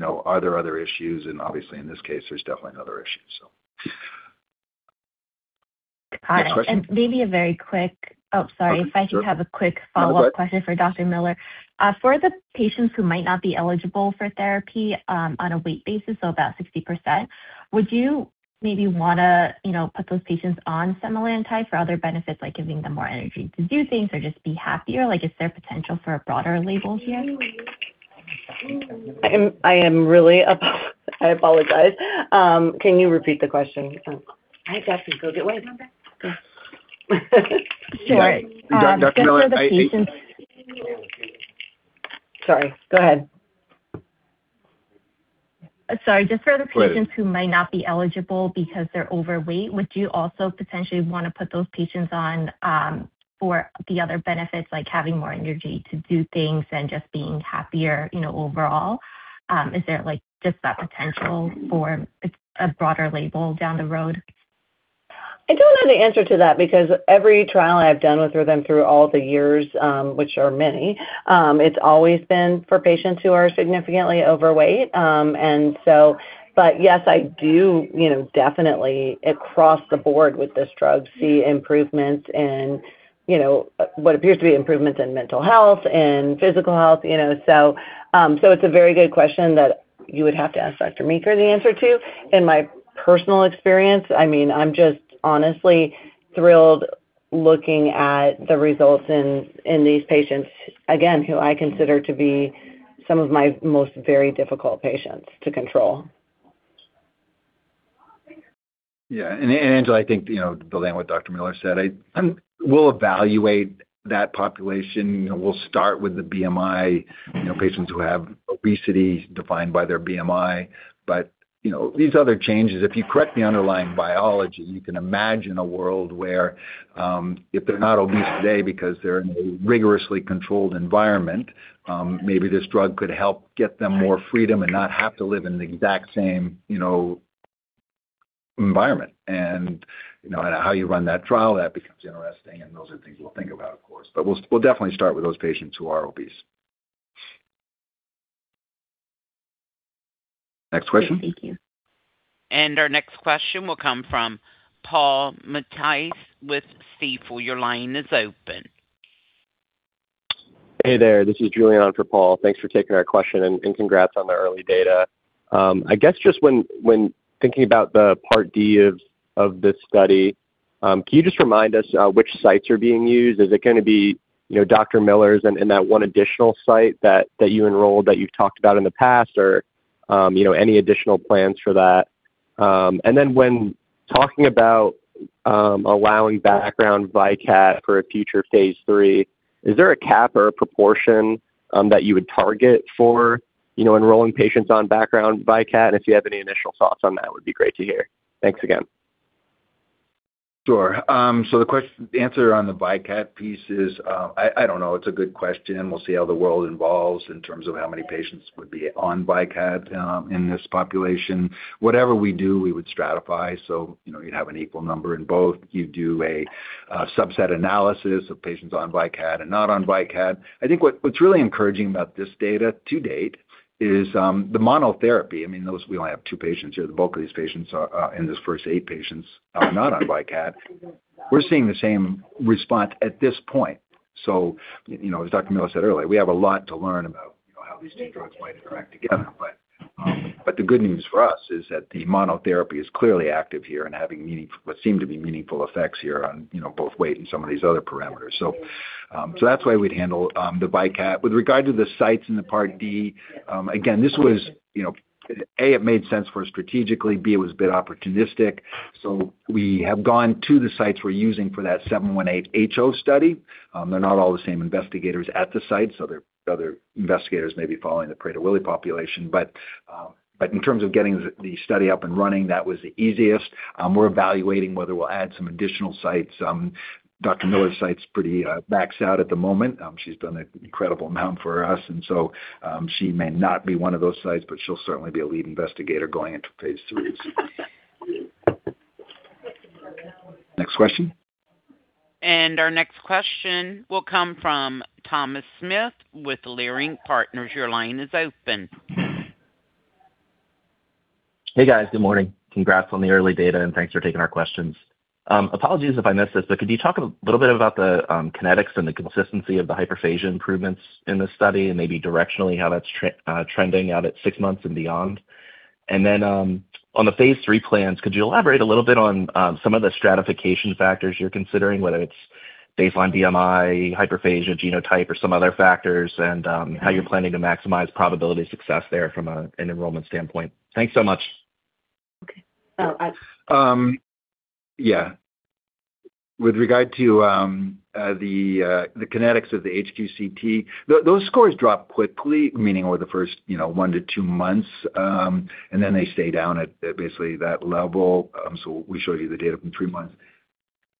[SPEAKER 3] are there other issues? And obviously, in this case, there's definitely other issues, so.
[SPEAKER 13] Got it. And maybe a very quick, oh, sorry. If I could have a quick follow-up question for Dr. Miller. For the patients who might not be eligible for therapy on a weight basis, so about 60%, would you maybe want to put those patients on setmelanotide for other benefits, like giving them more energy to do things or just be happier?
[SPEAKER 4] I am really. I apologize. Can you repeat the question? Sure. Just for the patients, sorry. Go ahead.
[SPEAKER 13] Sorry. Just for the patients who might not be eligible because they're overweight, would you also potentially want to put those patients on for the other benefits, like having more energy to do things and just being happier overall? Is there just that potential for a broader label down the road?
[SPEAKER 4] I don't know the answer to that because every trial I've done with them through all the years, which are many, it's always been for patients who are significantly overweight. And so, but yes, I do definitely, across the board with this drug, see improvements in what appears to be improvements in mental health and physical health. So it's a very good question that you would have to ask Dr. Meeker the answer to. In my personal experience, I mean, I'm just honestly thrilled looking at the results in these patients, again, who I consider to be some of my most very difficult patients to control.
[SPEAKER 3] Yeah, and Angela, I think building on what Dr. Miller said, we'll evaluate that population. We'll start with the BMI, patients who have obesity defined by their BMI. But these other changes, if you correct the underlying biology, you can imagine a world where if they're not obese today because they're in a rigorously controlled environment, maybe this drug could help get them more freedom and not have to live in the exact same environment. And how you run that trial, that becomes interesting. And those are things we'll think about, of course. But we'll definitely start with those patients who are obese. Next question.
[SPEAKER 13] Thank you.
[SPEAKER 1] And our next question will come from Paul Matteis with Stifel. Your line is open.
[SPEAKER 14] Hey there. This is Julianne for Paul. Thanks for taking our question and congrats on the early data. I guess just when thinking about the Part D of this study, can you just remind us which sites are being used? Is it going to be Dr. Miller's and that one additional site that you enrolled that you've talked about in the past, or any additional plans for that? And then when talking about allowing background Vykat for a future phase III, is there a cap or a proportion that you would target for enrolling patients on background Vykat? And if you have any initial thoughts on that, it would be great to hear. Thanks again.
[SPEAKER 3] Sure. So the answer on the Vykat piece is, I don't know, it's a good question. We'll see how the world evolves in terms of how many patients would be on Vykat in this population. Whatever we do, we would stratify. So you'd have an equal number in both. You'd do a subset analysis of patients on Vykat and not on Vykat. I think what's really encouraging about this data to date is the monotherapy. I mean, we only have two patients here. The bulk of these patients in this first eight patients are not on Vykat. We're seeing the same response at this point. So as Dr. Miller said earlier, we have a lot to learn about how these two drugs might interact together. But the good news for us is that the monotherapy is clearly active here and having what seem to be meaningful effects here on both weight and some of these other parameters. So that's why we'd handle the Vykat. With regard to the sites in the Part D, again, this was, A, it made sense for us strategically. B, it was a bit opportunistic. So we have gone to the sites we're using for that 718 HO study. They're not all the same investigators at the site, so there are other investigators maybe following the Prader-Willi population. But in terms of getting the study up and running, that was the easiest. We're evaluating whether we'll add some additional sites. Dr. Miller's site's pretty maxed out at the moment. She's done an incredible amount for us. And so she may not be one of those sites, but she'll certainly be a lead investigator going into phase III. Next question.
[SPEAKER 1] And our next question will come from Thomas Smith with Leerink Partners. Your line is open.
[SPEAKER 15] Hey, guys. Good morning. Congrats on the early data, and thanks for taking our questions. Apologies if I missed this, but could you talk a little bit about the kinetics and the consistency of the hyperphagia improvements in this study and maybe directionally how that's trending out at six months and beyond? Then on the phase III plans, could you elaborate a little bit on some of the stratification factors you're considering, whether it's baseline BMI, hyperphagia, genotype, or some other factors, and how you're planning to maximize probability success there from an enrollment standpoint? Thanks so much.
[SPEAKER 3] Okay. Oh, yeah. With regard to the kinetics of the HQ-CT, those scores drop quickly, meaning over the first one to two months, and then they stay down at basically that level. So we showed you the data from three months.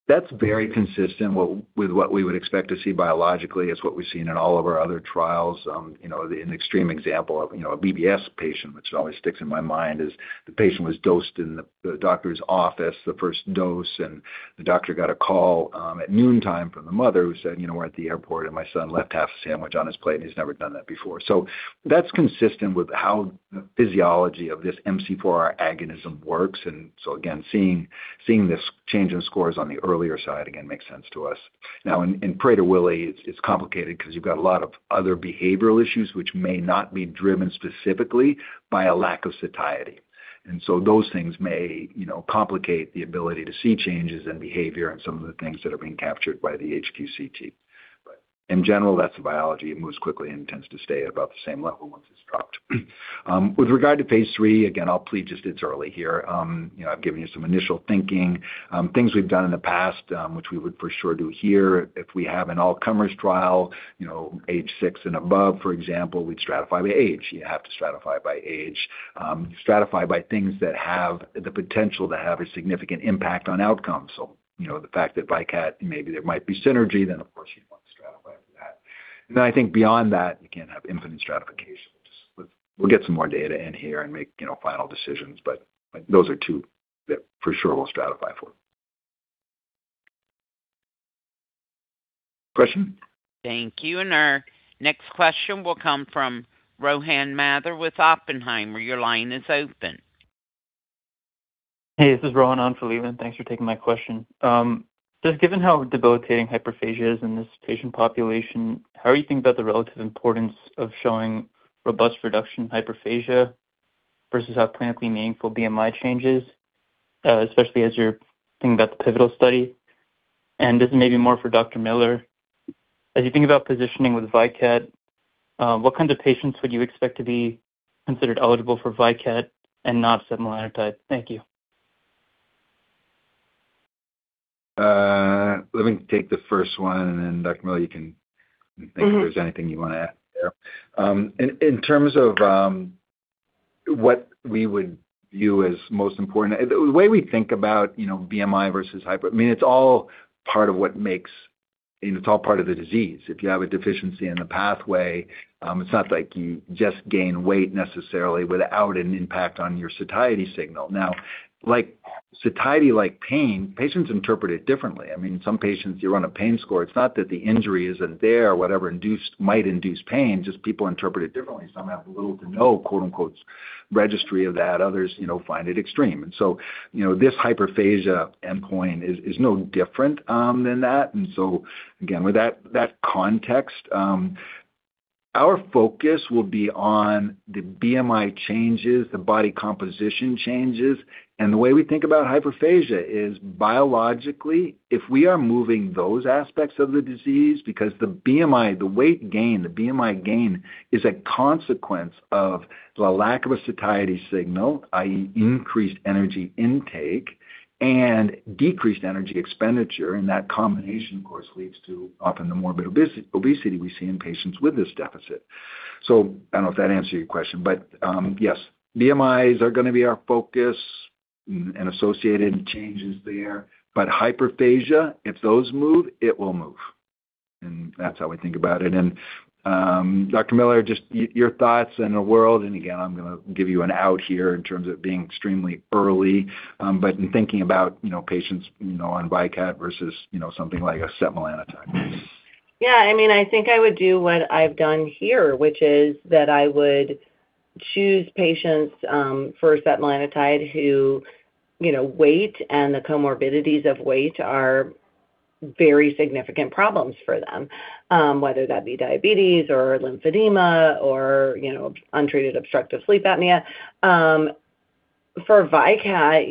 [SPEAKER 3] That's very consistent with what we would expect to see biologically. It's what we've seen in all of our other trials. The extreme example of a BBS patient, which always sticks in my mind, is the patient was dosed in the doctor's office the first dose, and the doctor got a call at noontime from the mother who said, "We're at the airport, and my son left half a sandwich on his plate, and he's never done that before." So that's consistent with how the physiology of this MC4R agonism works. And so again, seeing this change in scores on the earlier side, again, makes sense to us. Now, in Prader-Willi, it's complicated because you've got a lot of other behavioral issues which may not be driven specifically by a lack of satiety. And so those things may complicate the ability to see changes in behavior and some of the things that are being captured by the HQ-CT. But in general, that's the biology. It moves quickly and tends to stay at about the same level once it's dropped. With regard to phase III, again, I'll plead just it's early here. I've given you some initial thinking. Things we've done in the past, which we would for sure do here if we have an all-comers trial, age six and above, for example, we'd stratify by age. You have to stratify by age, stratify by things that have the potential to have a significant impact on outcomes. So the fact that Vykat, maybe there might be synergy, then of course, you'd want to stratify for that. And then I think beyond that, you can't have infinite stratification. We'll get some more data in here and make final decisions, but those are two that for sure we'll stratify for. Question?
[SPEAKER 1] Thank you. And our next question will come from Rohan Mathur with Oppenheimer. Your line is open.
[SPEAKER 16] Hey, this is Rohan on for Leland. Thanks for taking my question. Just given how debilitating hyperphagia is in this patient population, how are you thinking about the relative importance of showing robust reduction hyperphagia versus how clinically meaningful BMI changes, especially as you are thinking about the pivotal study? And this is maybe more for Dr. Miller. As you think about positioning with Vykat, what kinds of patients would you expect to be considered eligible for Vykat and not setmelanotide? Thank you.
[SPEAKER 3] Let me take the first one, and then Dr. Miller, you can think if there is anything you want to add there. In terms of what we would view as most important, the way we think about BMI versus hyperphagia. I mean, it is all part of what makes. I mean, it is all part of the disease. If you have a deficiency in the pathway, it's not like you just gain weight necessarily without an impact on your satiety signal. Now, satiety-like pain, patients interpret it differently. I mean, some patients, you run a pain score, it's not that the injury isn't there or whatever might induce pain, just people interpret it differently. Some have a little to no "registry" of that. Others find it extreme, and so this hyperphagia endpoint is no different than that, and so again, with that context, our focus will be on the BMI changes, the body composition changes, and the way we think about hyperphagia is biologically, if we are moving those aspects of the disease, because the BMI, the weight gain, the BMI gain is a consequence of the lack of a satiety signal, i.e., increased energy intake and decreased energy expenditure. That combination, of course, leads to often the morbid obesity we see in patients with this deficit. I don't know if that answers your question, but yes, BMIs are going to be our focus and associated changes there. Hyperphagia, if those move, it will move. That's how we think about it. Dr. Miller, just your thoughts and the world. Again, I'm going to give you an out here in terms of being extremely early, but in thinking about patients on Vykat versus something like setmelanotide.
[SPEAKER 4] Yeah. I mean, I think I would do what I've done here, which is that I would choose patients for setmelanotide whose weight and the comorbidities of weight are very significant problems for them, whether that be diabetes or lymphedema or untreated obstructive sleep apnea. For Vykat,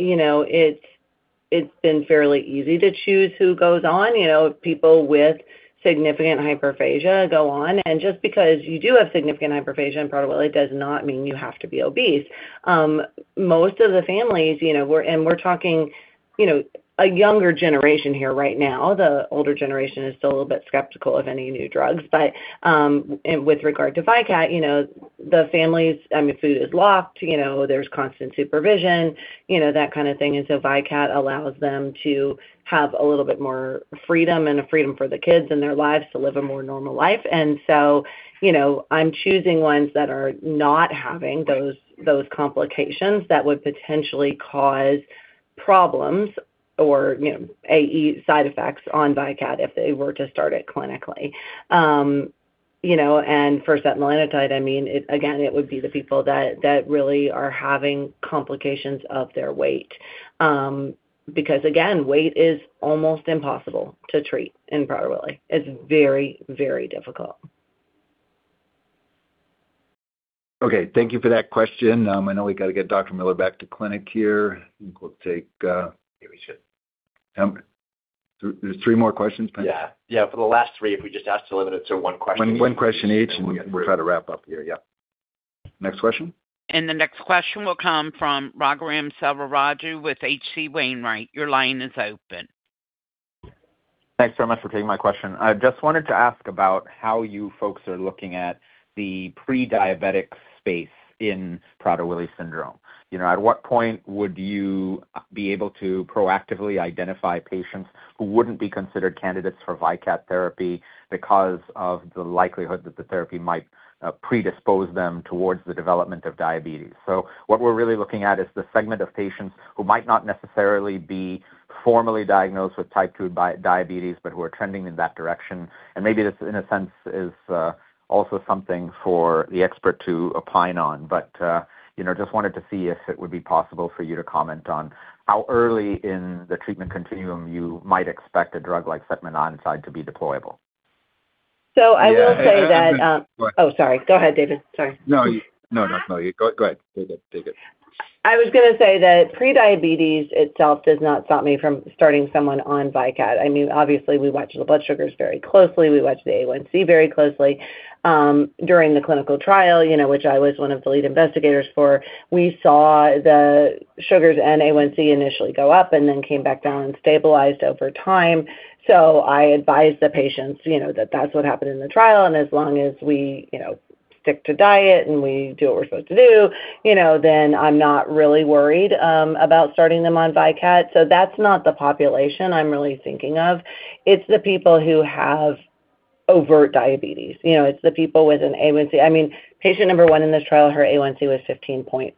[SPEAKER 4] it's been fairly easy to choose who goes on. People with significant hyperphagia go on. Just because you do have significant hyperphagia and Prader-Willi does not mean you have to be obese. Most of the families, and we're talking a younger generation here right now, the older generation is still a little bit skeptical of any new drugs, but with regard to Vykat, the families, I mean, food is locked. There's constant supervision, that kind of thing. So Vykat allows them to have a little bit more freedom and a freedom for the kids and their lives to live a more normal life. I'm choosing ones that are not having those complications that would potentially cause problems or, i.e., side effects on Vykat if they were to start it clinically. And for setmelanotide, I mean, again, it would be the people that really are having complications of their weight because, again, weight is almost impossible to treat in Prader-Willi. It's very, very difficult.
[SPEAKER 3] Okay. Thank you for that question. I know we got to get Dr. Miller back to clinic here. I think we'll take, yeah, we should. There's three more questions, please.
[SPEAKER 16] Yeah. Yeah. For the last three, if we just ask to limit it to one question.
[SPEAKER 3] One question each, and we'll try to wrap up here. Yeah. Next question.
[SPEAKER 1] And the next question will come from Raghuram Selvaraju with H.C. Wainwright. Your line is open.
[SPEAKER 17] Thanks very much for taking my question. I just wanted to ask about how you folks are looking at the prediabetic space in Prader-Willi syndrome. At what point would you be able to proactively identify patients who wouldn't be considered candidates for Vykat therapy because of the likelihood that the therapy might predispose them toward the development of diabetes, so what we're really looking at is the segment of patients who might not necessarily be formally diagnosed with type 2 diabetes, but who are trending in that direction, and maybe this, in a sense, is also something for the expert to opine on, but just wanted to see if it would be possible for you to comment on how early in the treatment continuum you might expect a drug like setmelanotide to be deployable,
[SPEAKER 4] so I will say that - oh, sorry. Go ahead, David. Sorry.
[SPEAKER 3] No, no, no, no. Go ahead. Take it. Take it.
[SPEAKER 4] I was going to say that prediabetes itself does not stop me from starting someone on Vykat. I mean, obviously, we watch the blood sugars very closely. We watch the A1C very closely. During the clinical trial, which I was one of the lead investigators for, we saw the sugars and A1C initially go up and then came back down and stabilized over time. So I advised the patients that that's what happened in the trial. And as long as we stick to diet and we do what we're supposed to do, then I'm not really worried about starting them on Vykat. So that's not the population I'm really thinking of. It's the people who have overt diabetes. It's the people with an A1C. I mean, patient number one in this trial, her A1C was 15.4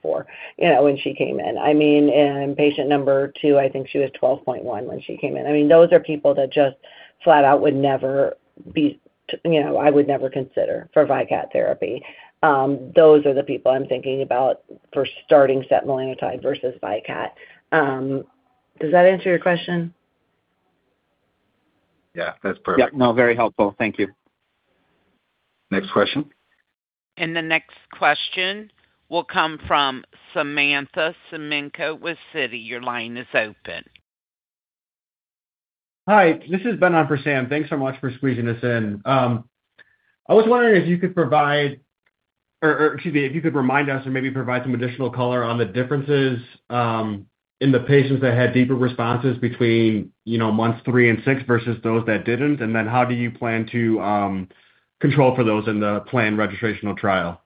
[SPEAKER 4] when she came in. I mean, and patient number two, I think she was 12.1 when she came in. I mean, those are people that just flat out would never be - I would never consider for Vykat therapy. Those are the people I'm thinking about for starting setmelanotide versus Vykat. Does that answer your question?
[SPEAKER 3] Yeah. That's perfect.
[SPEAKER 17] No, very helpful. Thank you.
[SPEAKER 3] Next question.
[SPEAKER 1] And the next question will come from Samantha Semenkow with Citi. Your line is open.
[SPEAKER 18] Hi. This is Benan Persan. Thanks so much for squeezing us in. I was wondering if you could provide - or excuse me, if you could remind us or maybe provide some additional color on the differences in the patients that had deeper responses between months three and six versus those that didn't. And then how do you plan to control for those in the planned registrational trial?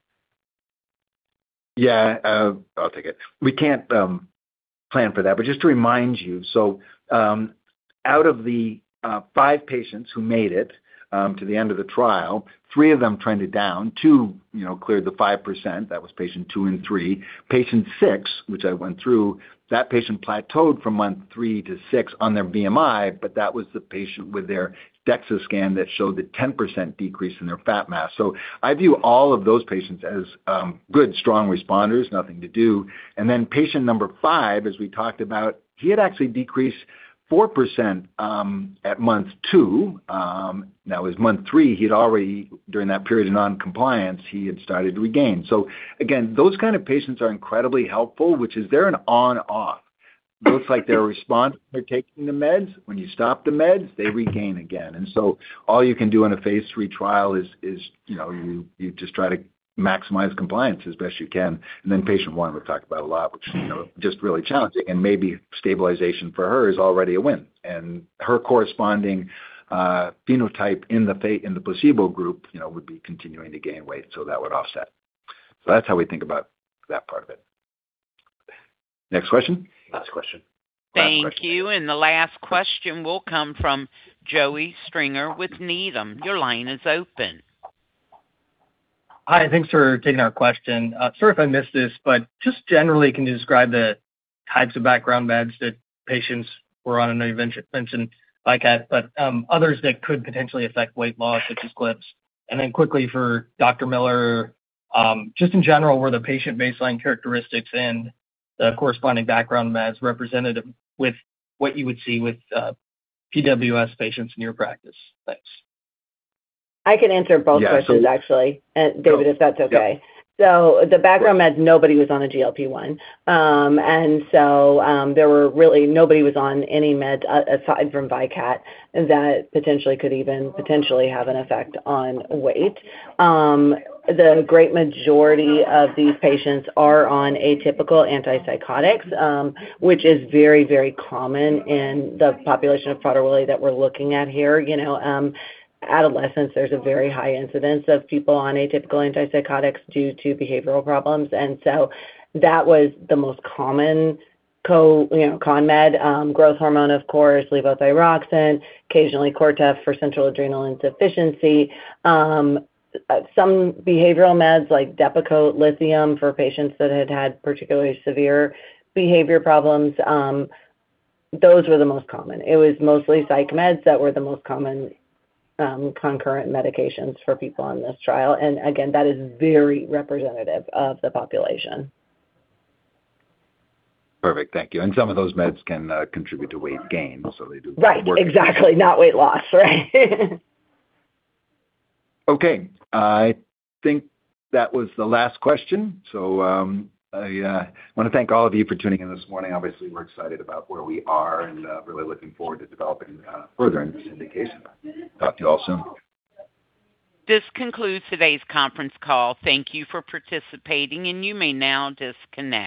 [SPEAKER 3] Yeah. I'll take it. We can't plan for that. But just to remind you, so out of the five patients who made it to the end of the trial, three of them trended down. Two cleared the 5%. That was patient two and three. Patient six, which I went through, that patient plateaued from month three to six on their BMI, but that was the patient with their DEXA scan that showed the 10% decrease in their fat mass. So I view all of those patients as good, strong responders, nothing to do. And then patient number five, as we talked about, he had actually decreased 4% at month two. Now, it was month three. He'd already, during that period of non-compliance, he had started to regain. So again, those kinds of patients are incredibly helpful, which is they're an on-off. It looks like they're responsive. They're taking the meds. When you stop the meds, they regain again. And so all you can do in a phase III trial is you just try to maximize compliance as best you can. And then patient one we've talked about a lot, which is just really challenging. And maybe stabilization for her is already a win. And her corresponding phenotype in the placebo group would be continuing to gain weight. So that would offset. So that's how we think about that part of it. Next question. Last question.
[SPEAKER 1] Thank you. And the last question will come from Joey Stringer with Needham. Your line is open.
[SPEAKER 19] Hi. Thanks for taking our question. Sorry if I missed this, but just generally, can you describe the types of background meds that patients were on and they mentioned Vykat, but others that could potentially affect weight loss, such as GLP-1s? And then quickly for Dr. Miller, just in general, were the patient baseline characteristics and the corresponding background meds representative with what you would see with PWS patients in your practice? Thanks.
[SPEAKER 4] I can answer both questions, actually. David, if that's okay, so the background meds, nobody was on a GLP-1. And so there were really nobody was on any med aside from Vykat that potentially could even have an effect on weight. The great majority of these patients are on atypical antipsychotics, which is very, very common in the population of Prader-Willi that we're looking at here. Adolescents, there's a very high incidence of people on atypical antipsychotics due to behavioral problems. And so that was the most common con med: growth hormone, of course, levothyroxine, occasionally Cortef for central adrenal insufficiency. Some behavioral meds like Depakote, lithium for patients that had had particularly severe behavior problems, those were the most common. It was mostly psych meds that were the most common concurrent medications for people on this trial. And again, that is very representative of the population.
[SPEAKER 3] Perfect. Thank you. And some of those meds can contribute to weight gain, so they do work.
[SPEAKER 4] Right. Exactly. Not weight loss, right?
[SPEAKER 3] Okay. I think that was the last question. So I want to thank all of you for tuning in this morning. Obviously, we're excited about where we are and really looking forward to developing further in this indication. Talk to you all soon.
[SPEAKER 1] This concludes today's conference call. Thank you for participating, and you may now disconnect.